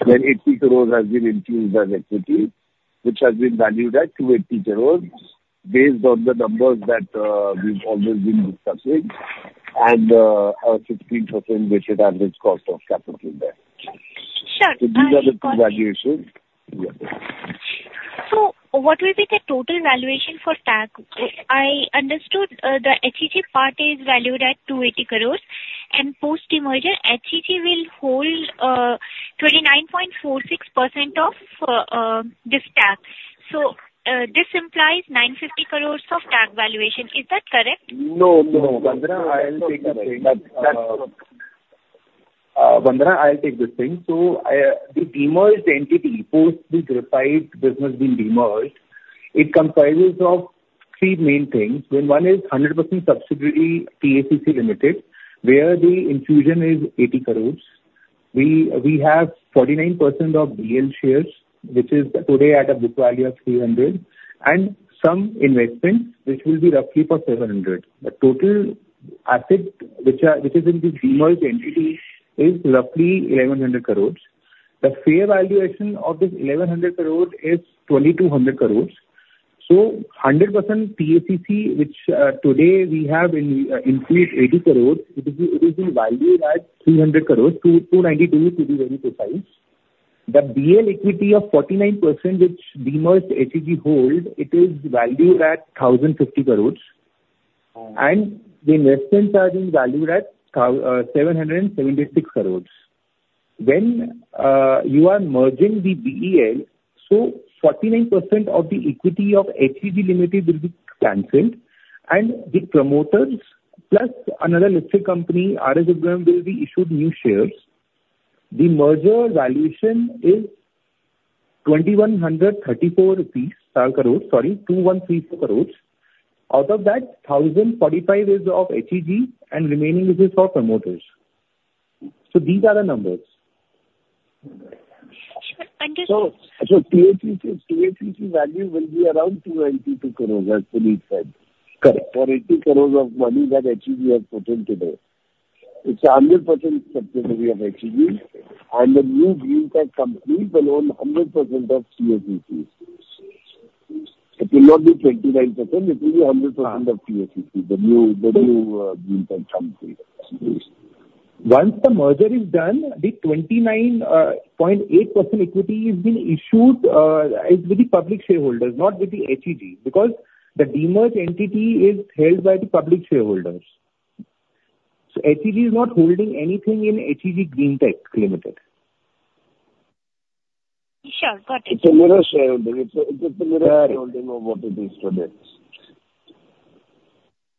where 80 crore has been infused as equity, which has been valued at 280 crore, based on the numbers that we've always been discussing, and a 15% weighted average cost of capital there. Sure. These are the valuations. Yeah. So what will be the total valuation for TACC? I understood, the HEG part is valued at 280 crores, and post-demerger, HEG will hold, 29.46% of, this TACC. So, this implies 950 crores of TACC valuation. Is that correct? No, Vandana Soni, I'll take this thing. That's... Vandna Soni, I'll take this thing. So, the demerged entity, post the graphite business being demerged, it comprises of three main things. One is 100% subsidiary, TACC Limited, where the infusion is 80 crore. We have 49% of BEL shares, which is today at a book value of 300 crore, and some investments, which will be roughly for 700 crore. The total assets in the demerged entity is roughly 1,100 crore. The fair valuation of this 1,100 crore is 2,200 crore. So 100% TACC, which today we have infused 80 crore, it is being valued at 300 crore, 292 crore, to be very precise. The BEL equity of 49%, which demerged HEG hold, it is valued at 1,050 crore. Oh. The investments are being valued at 776 crore. When you are merging the BEL, so 49% of the equity of HEG Limited will be canceled, and the promoters, plus another listed company, RSWM, will be issued new shares. The merger valuation is 2,134 crore rupees, sorry, 2,134 crore. Out of that, 1,045 crore is of HEG and remaining is for promoters. So these are the numbers. Understood. TACC value will be around 292 crore, as Puneet Anand said. Correct. For 80 crore of money that HEG has put in today. It's a 100% subsidiary of HEG, and the new Greentech company will own 100% of TACC. It will not be 29%, it will be 100%- Uh. of TACC, the new Greentech company. Once the merger is done, the 29.8% equity is being issued, is with the public shareholders, not with the HEG, because the demerged entity is held by the public shareholders. So HEG is not holding anything in HEG Greentech Limited. Sure. Got it. It's a mere shareholder. It's a mere... I don't know what it is today....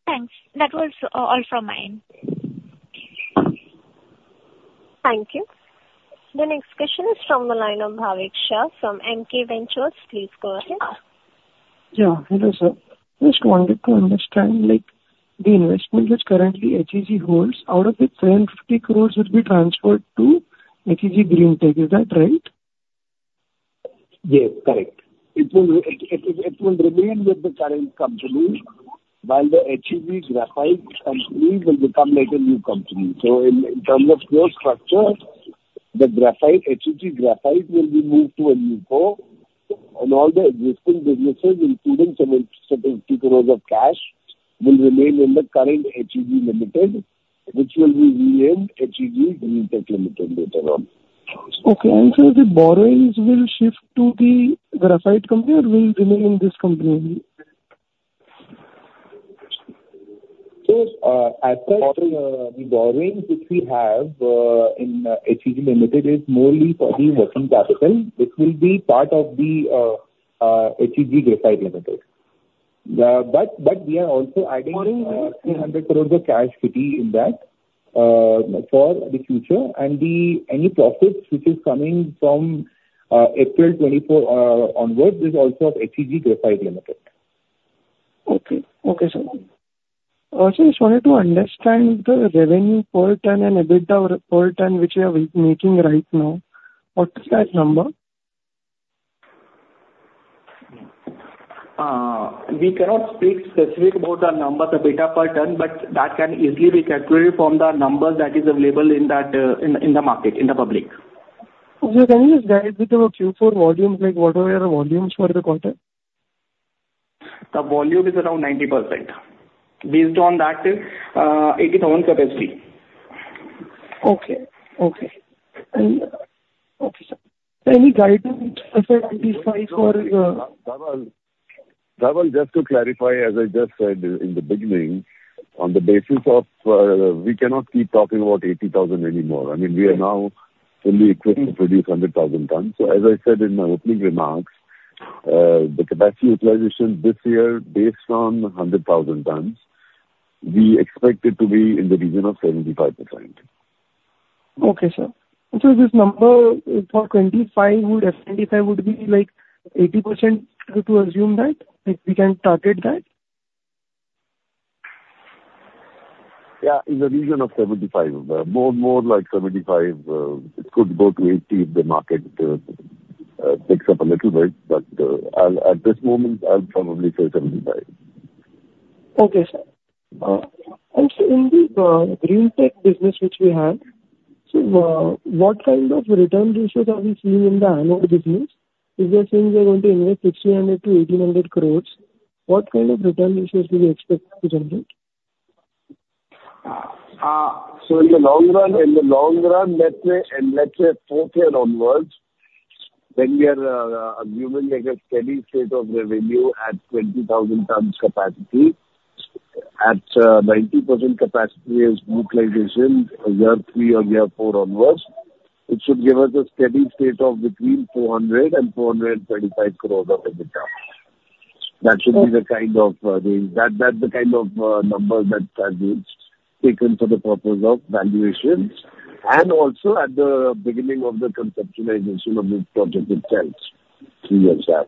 Thanks. That was all from my end. Thank you. The next question is from the line of Bhavik Shah from MK Ventures. Please go ahead. Yeah. Hello, sir. Just wanted to understand, like, the investment which currently HEG holds, out of it, 1,050 crores will be transferred to HEG Greentech. Is that right? Yes, correct. It will remain with the current company, while the HEG Graphite Limited will become like a new company. So in terms of share structure, the graphite, HEG Graphite Limited will be moved to a new co, and all the existing businesses, including INR 770 crore of cash, will remain in the current HEG Limited, which will be renamed HEG Greentech Limited later on. Okay. The borrowings will shift to the graphite company or will remain in this company? As per the borrowings which we have in HEG Limited is mainly for the working capital. This will be part of the HEG Graphite Limited. But we are also adding- Okay. - 300 crore of cash kitty in that, for the future. The... any profits which is coming from, April 2024, onwards, is also of HEG Graphite Limited. Okay, sir. I also just wanted to understand the revenue per ton and EBITDA per ton, which you are making right now. What is that number? We cannot speak specific about the numbers, the data per ton, but that can easily be calculated from the numbers that is available in that, in the market, in the public. Can you just guide me through the Q4 volumes, like what were your volumes for the quarter? The volume is around 90%, based on that, 80,000 capacity. Okay. And. Okay, sir. So any guidance for 25% for- just to clarify, as I just said in the beginning, on the basis of, we cannot keep talking about 80,000 tons anymore. I mean, we are now fully equipped to produce 100,000 tons. So as I said in my opening remarks, the capacity utilization this year, based on 100,000 tons, we expect it to be in the region of 75%. Okay, sir. So this number for 25% would, 75% would be like 80%. Correct to assume that? Like, we can target that? Yeah, in the region of 75%. More like 75%. It could go to 80% if the market picks up a little bit, but at this moment, I'll probably say 75%. Okay, sir. Also in the Greentech business which we have, so, what kind of return ratios are we seeing in the anode business? If we are saying we are going to invest 1,600 crore-1,800 crore, what kind of return ratios do we expect to generate? So in the long-run, let's say, let's say fourth year onwards, when we are assuming like a steady state of revenue at 20,000 tons capacity, at 90% capacity utilization, year three or year four onwards, it should give us a steady state of between 400 crore and 425 crores of EBITDA. That should be the kind of, the, that, that's the kind of number that has been taken for the purpose of valuations, and also at the beginning of the conceptualization of this project itself, three years back.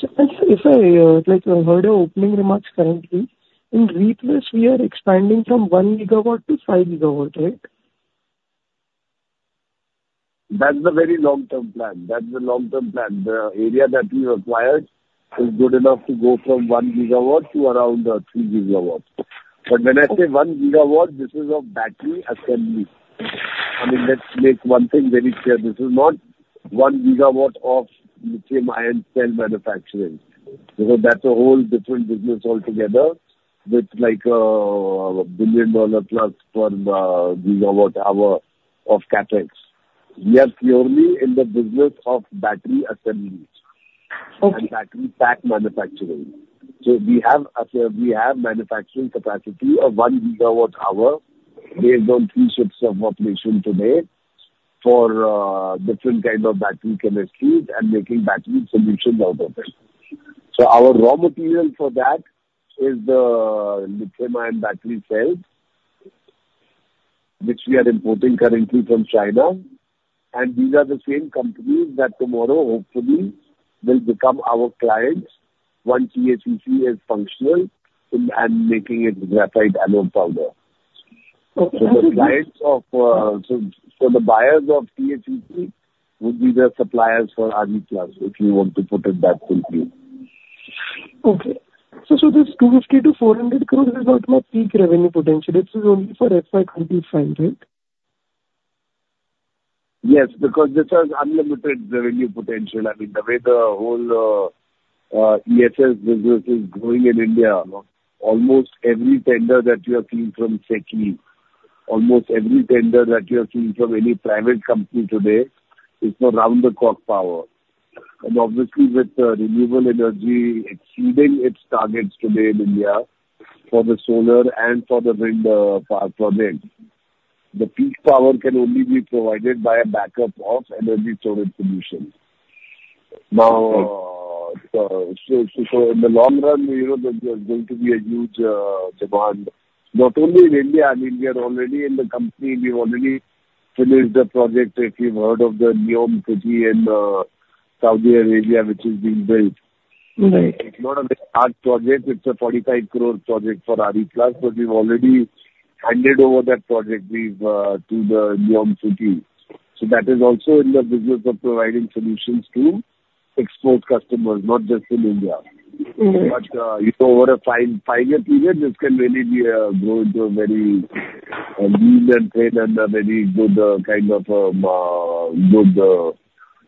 So if I, like I heard your opening remarks, currently in RePlus we are expanding from 1 GW to 5 GW, right? That's the very long-term plan. That's the long-term plan. The area that we've acquired is good enough to go from 1 GW to around 3 GW. But when I say 1 GW, this is of battery assembly. I mean, let's make one thing very clear: this is not 1 GW of lithium-ion cell manufacturing, because that's a whole different business altogether, with like, a billion dollar plus per gigawatt hour of CapEx. We are purely in the business of battery assemblies- Okay. and battery pack manufacturing. So we have a, we have manufacturing capacity of 1 GWh, based on three shifts of operation today, for different kind of battery chemistries and making battery solutions out of it. So our raw material for that is the lithium-ion battery cells, which we are importing currently from China, and these are the same companies that tomorrow, hopefully, will become our clients once HEG is functional and making its graphite anode powder. Okay. So the buyers of HEG will be the suppliers for RePlus, if you want to put it that way. Okay. So, this INR 200 crore-INR 400 crore is also a peak revenue potential. This is only for FY 2025, right? Yes, because this has unlimited revenue potential. I mean, the way the whole ESS business is growing in India, almost every tender that you are seeing from SECI, almost every tender that you are seeing from any private company today, is for round-the-clock power. And obviously, with the renewable energy exceeding its targets today in India, for the solar and for the wind power project, the peak power can only be provided by a backup of energy storage solutions. Now, so in the long run, you know, there, there's going to be a huge demand, not only in India. I mean, we are already in the company, we've already finished the project, if you've heard of the NEOM city in Saudi Arabia, which is being built. Mm-hmm. It's not a big large project. It's a 45 crore project for RePlus, but we've already handed over that project with to the NEOM City. So that is also in the business of providing solutions to export customers, not just in India. Mm-hmm. But, you know, over a five year period, this can really grow into a huge trend and a very good kind of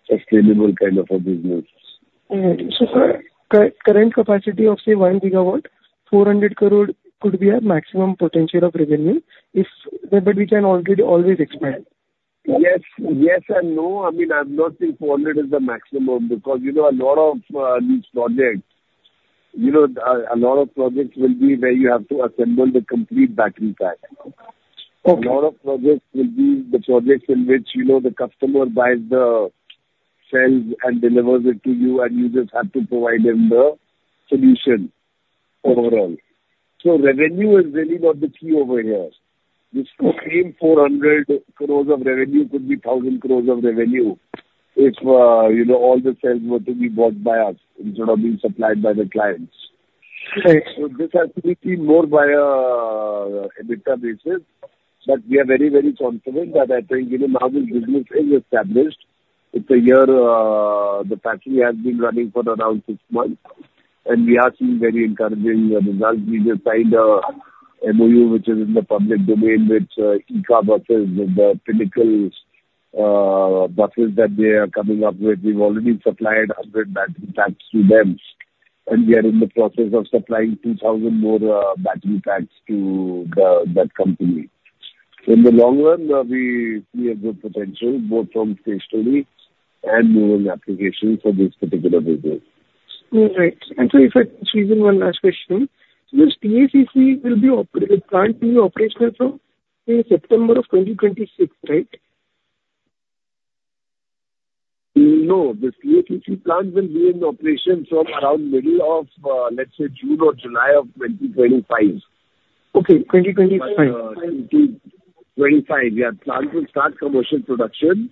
sustainable kind of a business. Right. So current capacity of, say, 1 GW, 400 crore could be a maximum potential of revenue if, but we can already always expand. Yes. Yes and no. I mean, I would not say 400 crore is the maximum, because, you know, a lot of these projects, you know, a lot of projects will be where you have to assemble the complete battery pack, you know? Okay. A lot of projects will be the projects in which, you know, the customer buys the cells and delivers it to you, and you just have to provide him the solution overall. Okay. Revenue is really not the key over here. Okay. The same 400 crore of revenue could be 1,000 crore of revenue if, you know, all the cells were to be bought by us instead of being supplied by the clients. Right. So this has to be seen more by a EBITDA basis, but we are very, confident that I think, you know, now the business is established. It's a year, the factory has been running for around six months, and we are seeing very encouraging results. We just signed a MOU, which is in the public domain, with EKA buses, the Pinnacle buses that they are coming up with. We've already supplied 100 battery packs to them, and we are in the process of supplying 2,000 more battery packs to that company. In the long-run, we see a good potential, both from storage and moving applications for this particular business. Right. And so if I squeeze in one last question, this TACC will be the plant will be operational from in September 2026, right? No, the TACC plant will be in operation from around middle of, let's say June or July of 2025. Okay, 2025. 2025, yeah. Plant will start commercial production.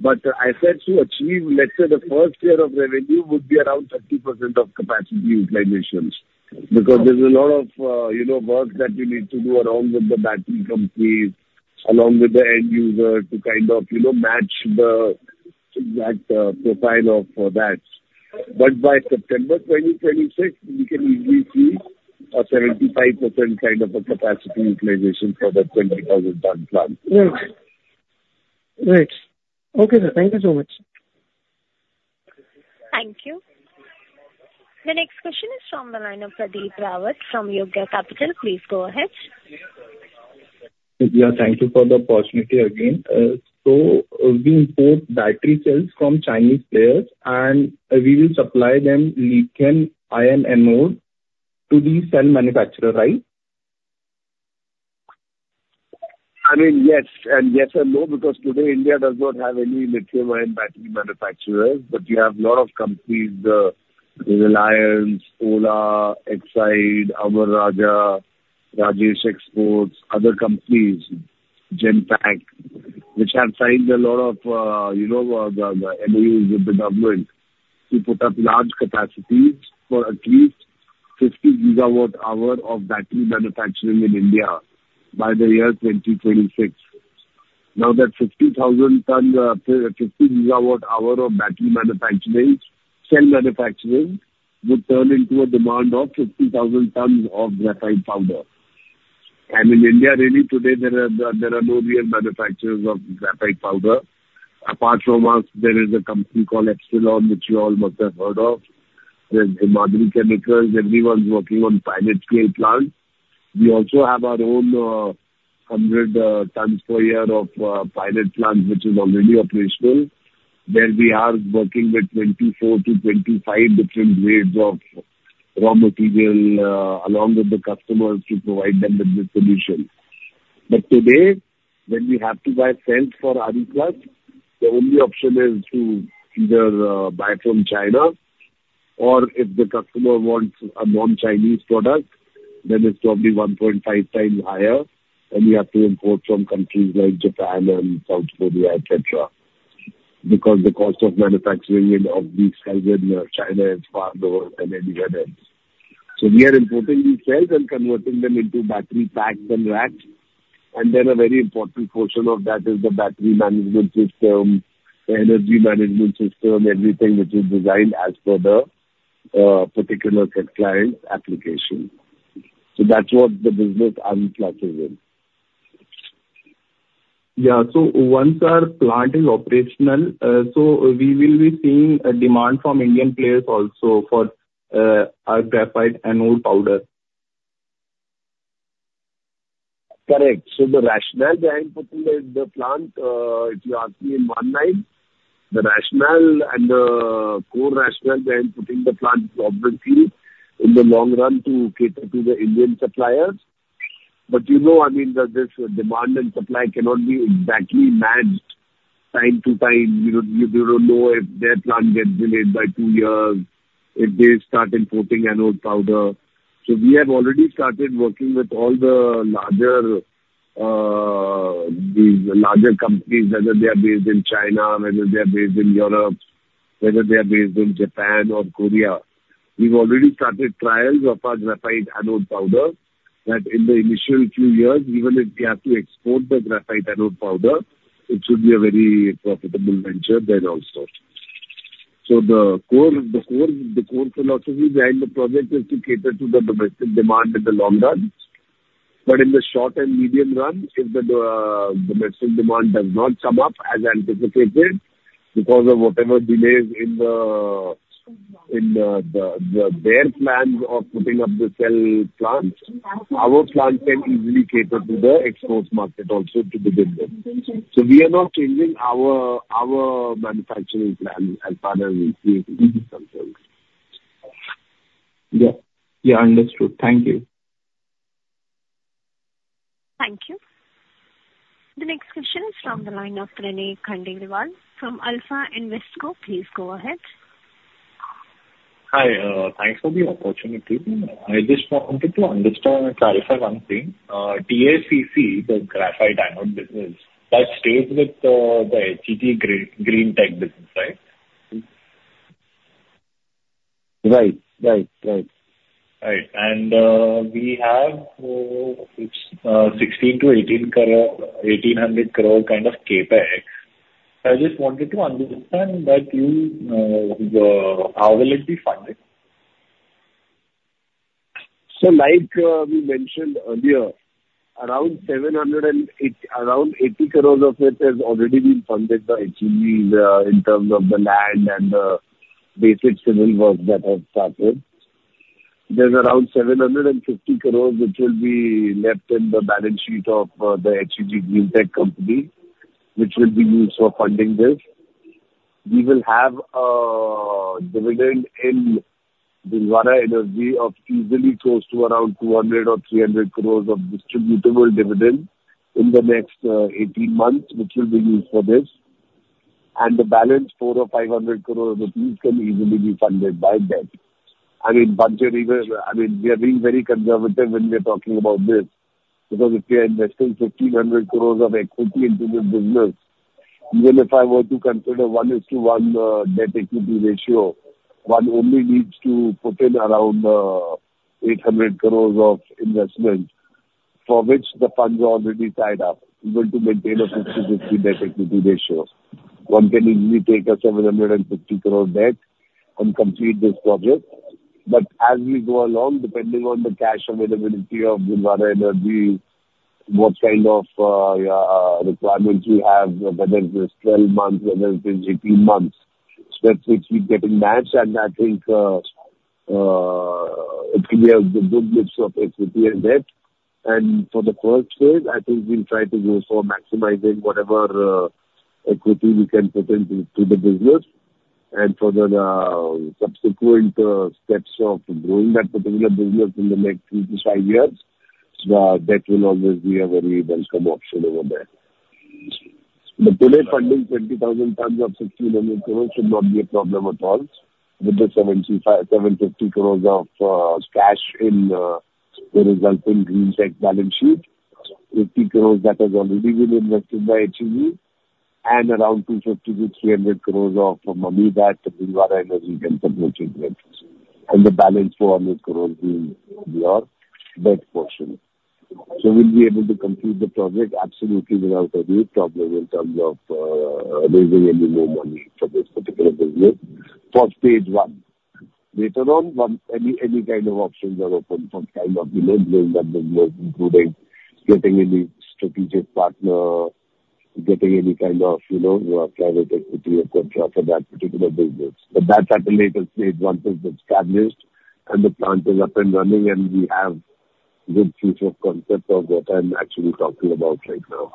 But I said to achieve, let's say, the first year of revenue would be around 30% of capacity utilizations. Because there's a lot of, you know, work that we need to do along with the battery companies, along with the end user, to kind of, you know, match the exact, profile of the batch. But by September 2026, we can easily see a 75% kind of a capacity utilization for the 20,000-ton plant. Right. Okay, sir. Thank you so much. Thank you. The next question is from the line of Pradeep Rawat from Yogya Capital. Please go ahead. Yeah, thank you for the opportunity again. So, we import battery cells from Chinese players, and we will supply them lithium-ion anode to the cell manufacturer, right? I mean, yes, and yes and no, because today India does not have any lithium-ion battery manufacturers. But you have a lot of companies, Reliance, Ola, Exide, Amara Raja, Rajesh Exports, other companies, Genpact, which have signed a lot of, you know, the MOUs with the government to put up large capacities for at least 50 GWh of battery manufacturing in India by the year 2026. Now, that 50,000 ton, 50 GWh of battery manufacturing, cell manufacturing, would turn into a demand of 50,000 tons of graphite powder. And in India really today, there are no real manufacturers of graphite powder. Apart from us, there is a company called Epsilon, which you all must have heard of. There's Himadri Chemicals. Everyone's working on pilot scale plant. We also have our own 100 tons per year of pilot plant, which is already operational, where we are working with 24-25 different grades of raw material along with the customers to provide them with the solution. But today, when we have to buy cells for RePlus, the only option is to either buy from China, or if the customer wants a non-Chinese product, then it's probably 1.5x higher, and we have to import from countries like Japan and South Korea, et cetera. Because the cost of manufacturing of these cells in China is far lower than anywhere else. So we are importing these cells and converting them into battery packs and racks. And then a very important portion of that is the battery management system, the energy management system, everything which is designed as per the particular client's application. So that's what the business RePlus is in. Yeah. So once our plant is operational, so we will be seeing a demand from Indian players also for our graphite anode powder? Correct. So the rationale behind putting the plant, if you ask me in one line, the rationale and core rationale behind putting the plant is obviously in the long run to cater to the Indian suppliers... But you know, I mean, that this demand and supply cannot be exactly matched time to time. You know, you don't know if their plant gets delayed by two years, if they start importing anode powder. So we have already started working with all the larger, the larger companies, whether they are based in China, whether they are based in Europe, whether they are based in Japan or Korea. We've already started trials of our graphite anode powder, that in the initial few years, even if we have to export the graphite anode powder, it should be a very profitable venture then also. So the core philosophy behind the project is to cater to the domestic demand in the long run. But in the short and medium run, if the domestic demand does not come up as anticipated because of whatever delays in their plans of putting up the cell plants, our plant can easily cater to the export market also to do business. So we are not changing our manufacturing plan as far as we see it ourselves. Yeah. Yeah, understood. Thank you. Thank you. The next question is from the line of Pranay Khandelwal from Alpha Invesco. Please go ahead. Hi, thanks for the opportunity. I just wanted to understand and clarify one thing. TACC, the graphite anode business, that stays with the HEG Greentech business, right? Right. Right. And, we have, it's 16 crore- 18 crore, 1,800 crore kind of CapEx. I just wanted to understand that you, how will it be funded? Like, we mentioned earlier, around 80 crore of it has already been funded by HEG in terms of the land and the basic civil works that have started. There's around 750 crore, which will be left in the balance sheet of the HEG Greentech company, which will be used for funding this. We will have a dividend in Bhilwara Energy of easily close to around 200 crore or 300 crore of distributable dividend in the next 18 months, which will be used for this. And the balance, 400 crore or 500 crore rupees, can easily be funded by debt. I mean, budget even, I mean, we are being very conservative when we are talking about this, because if we are investing 1,500 crore of equity into this business, even if I were to consider 1:1 debt equity ratio, one only needs to put in around, eight hundred crore of investment, for which the funds are already tied up. We want to maintain a 50/50 debt equity ratio. One can easily take a 750 crore debt and complete this project. But as we go along, depending on the cash availability of Bhilwara Energy, what kind of, requirements we have, whether it is 12 months, whether it is 18 months, steps which we getting matched, and I think, it can be a good mix of equity and debt. For the first phase, I think we'll try to go for maximizing whatever equity we can put into the business. And for the subsequent steps of growing that particular business in the next two, five years, that will always be a very welcome option over there. But today, funding 20,000 tons of 1,600 crores should not be a problem at all. With the 750 crores of cash in the resulting Green Tech balance sheet, 80 crores that has already been invested by HEG, and around 250 crores-300 crores of money that Bhilwara Energy can contribute with. And the balance 400 crores will be our debt portion. So we'll be able to complete the project absolutely without any problem, in terms of raising any more money for this particular business, for phase I. Later on, any, any kind of options are open for kind of, you know, building that business, including getting any strategic partner, getting any kind of, you know, private equity or control for that particular business. But that's at a later stage, once it's established and the plant is up and running, and we have good proof of concept of what I'm actually talking about right now.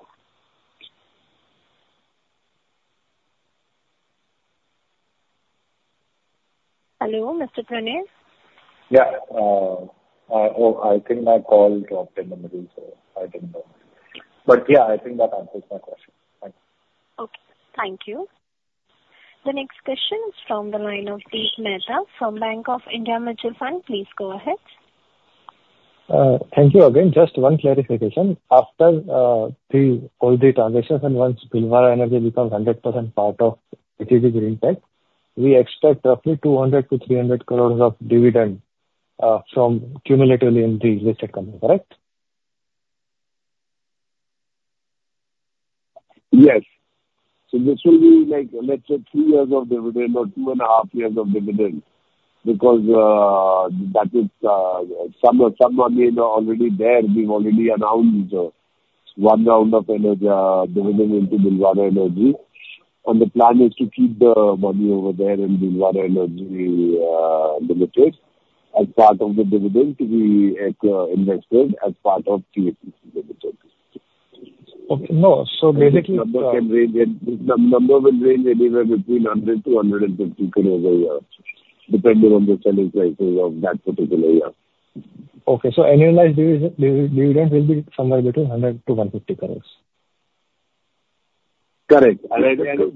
Hello, Mr. Pranay Khandelwal? Yeah, I think my call dropped in the middle, so I didn't know. But yeah, I think that answers my question. Thank you. Okay, thank you. The next question is from the line of Deep Mehta from Bank of India Mutual Fund. Please go ahead. Thank you again. Just one clarification. After all the transactions and once Bhilwara Energy becomes 100% part of HEG Greentech, we expect roughly 200 crores- 300 crores of dividend from cumulatively in the listed company, correct? Yes. So this will be like, let's say, three years of dividend or two and 1/2 years of dividend, because, that is, some of, some money is already there. We've already announced, one round of energy, dividend into Bhilwara Energy, and the plan is to keep the money over there in Bhilwara Energy Limited, as part of the dividend to be, invested as part of HEG.... Okay, no. So basically- The number can range, the number will range anywhere between 100 crores-150 crores a year, depending on the selling prices of that particular year. Okay. Annualized dividend will be somewhere between 100 crore-150 crore? Correct. And I think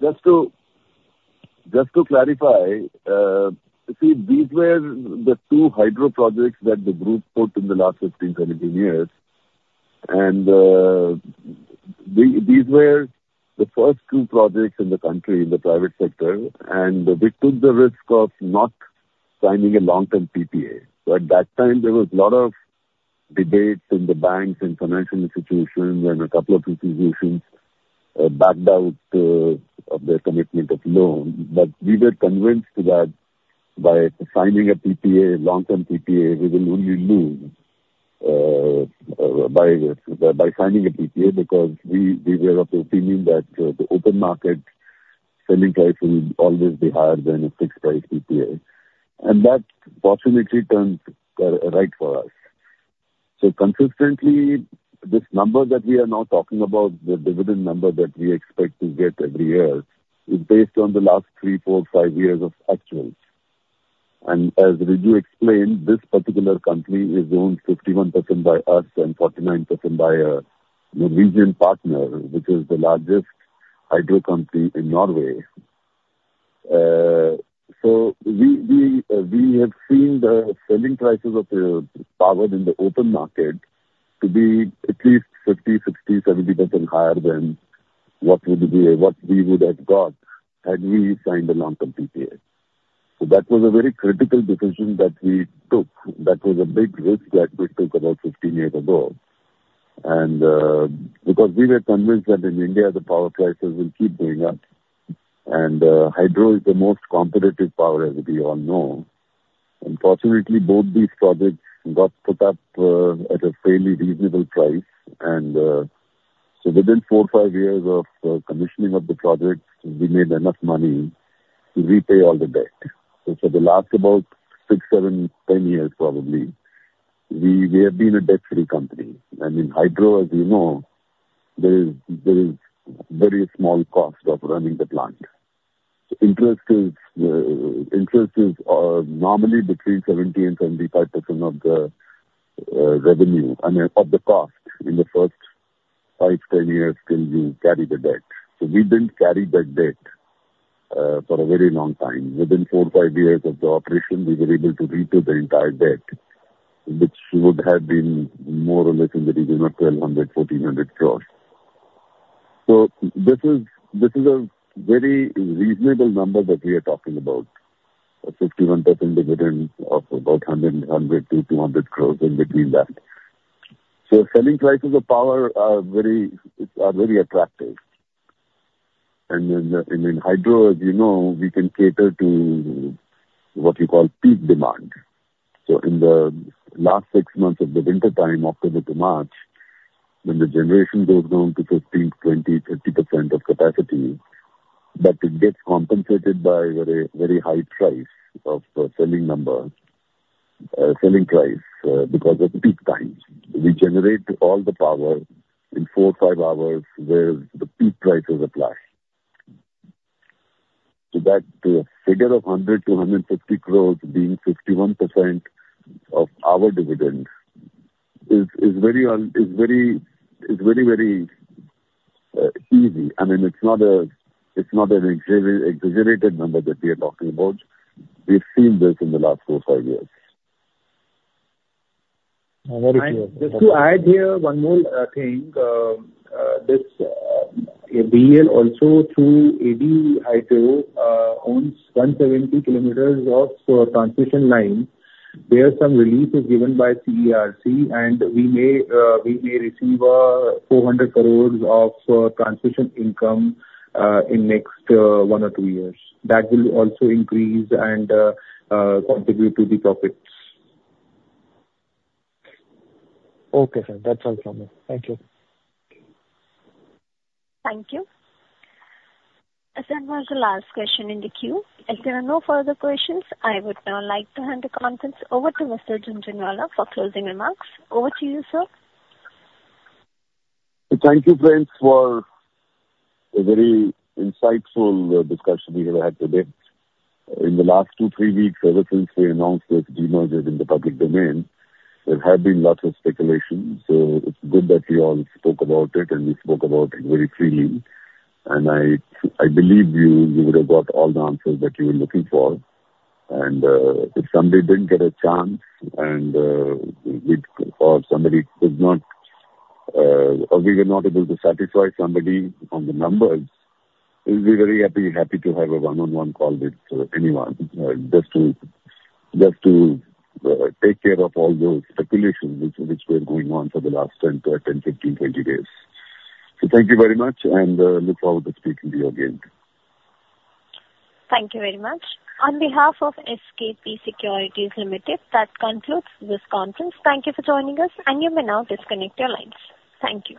just to, just to clarify, see, these were the two hydro projects that the group put in the last 15, 20 years. And, these, these were the first two projects in the country, in the private sector, and we took the risk of not signing a long-term PPA. So at that time, there was a lot of debates in the banks and financial institutions, and a couple of institutions, backed out, of their commitment of loan. But we were convinced that by signing a PPA, long-term PPA, we will only lose, by, by signing a PPA, because we, we were of the opinion that the open market selling price will always be higher than a fixed price PPA. And that fortunately turned, right for us. So consistently, this number that we are now talking about, the dividend number that we expect to get every year, is based on the last three, four, five years of actuals. And as Riju Jhunjhunwala explained, this particular company is owned 51% by us and 49% by a Norwegian partner, which is the largest hydro company in Norway. So we have seen the selling prices of power in the open market to be at least 50%, 60%, 70% higher than what we would have got had we signed a long-term PPA. So that was a very critical decision that we took. That was a big risk that we took about 15 years ago. Because we were convinced that in India, the power prices will keep going up, and hydro is the most competitive power, as we all know. And fortunately, both these projects got put up at a fairly reasonable price, and so within four, five years of commissioning of the projects, we made enough money to repay all the debt. So for the last about six, seven, 10 years, probably, we have been a debt-free company. And in hydro, as you know, there is very small cost of running the plant. So interest is normally between 70% and 75% of the revenue, I mean, of the cost in the first five, 10 years till you carry the debt. So we didn't carry that debt for a very long time. Within four, five years of the operation, we were able to repay the entire debt, which would have been more or less in the region of 1,000 crore-1,400 crore. So this is, this is a very reasonable number that we are talking about, a 51% dividend of about 100 crore-200 crore in between that. So selling prices of power are very, are very attractive. And then, and in hydro, as you know, we can cater to what you call peak demand. So in the last six months of the wintertime, October to March, when the generation goes down to 15%, 20%, 30% of capacity, that it gets compensated by very, very high price of the selling number, selling price, because of the peak times. We generate all the power in four-five hours, where the peak prices apply. So that figure of 100 crore- 150 crores being 51% of our dividends is very, easy. I mean, it's not an exaggerated number that we are talking about. We've seen this in the last four, five years. Very clear. Just to add here, one more thing. This BEL also, through AD Hydro, owns 170 km of transmission line. There some relief is given by CERC, and we may, we may receive 400 crore of transmission income in next one or two years. That will also increase and contribute to the profits. Okay, sir. That's all from me. Thank you. Thank you. As that was the last question in the queue, as there are no further questions, I would now like to hand the conference over to Mr. Ravi Jhunjhunwala for closing remarks. Over to you, sir. Thank you, friends, for a very insightful discussion we have had today. In the last two, three weeks, ever since we announced this demerger in the public domain, there have been lots of speculation, so it's good that we all spoke about it, and we spoke about it very freely. I believe you would have got all the answers that you were looking for. If somebody didn't get a chance and or somebody did not or we were not able to satisfy somebody on the numbers, we'll be very happy, happy to have a one-on-one call with anyone just to take care of all those speculations which were going on for the last 10-20 days. Thank you very much, and look forward to speaking to you again. Thank you very much. On behalf of SKP Securities Limited, that concludes this conference. Thank you for joining us, and you may now disconnect your lines. Thank you.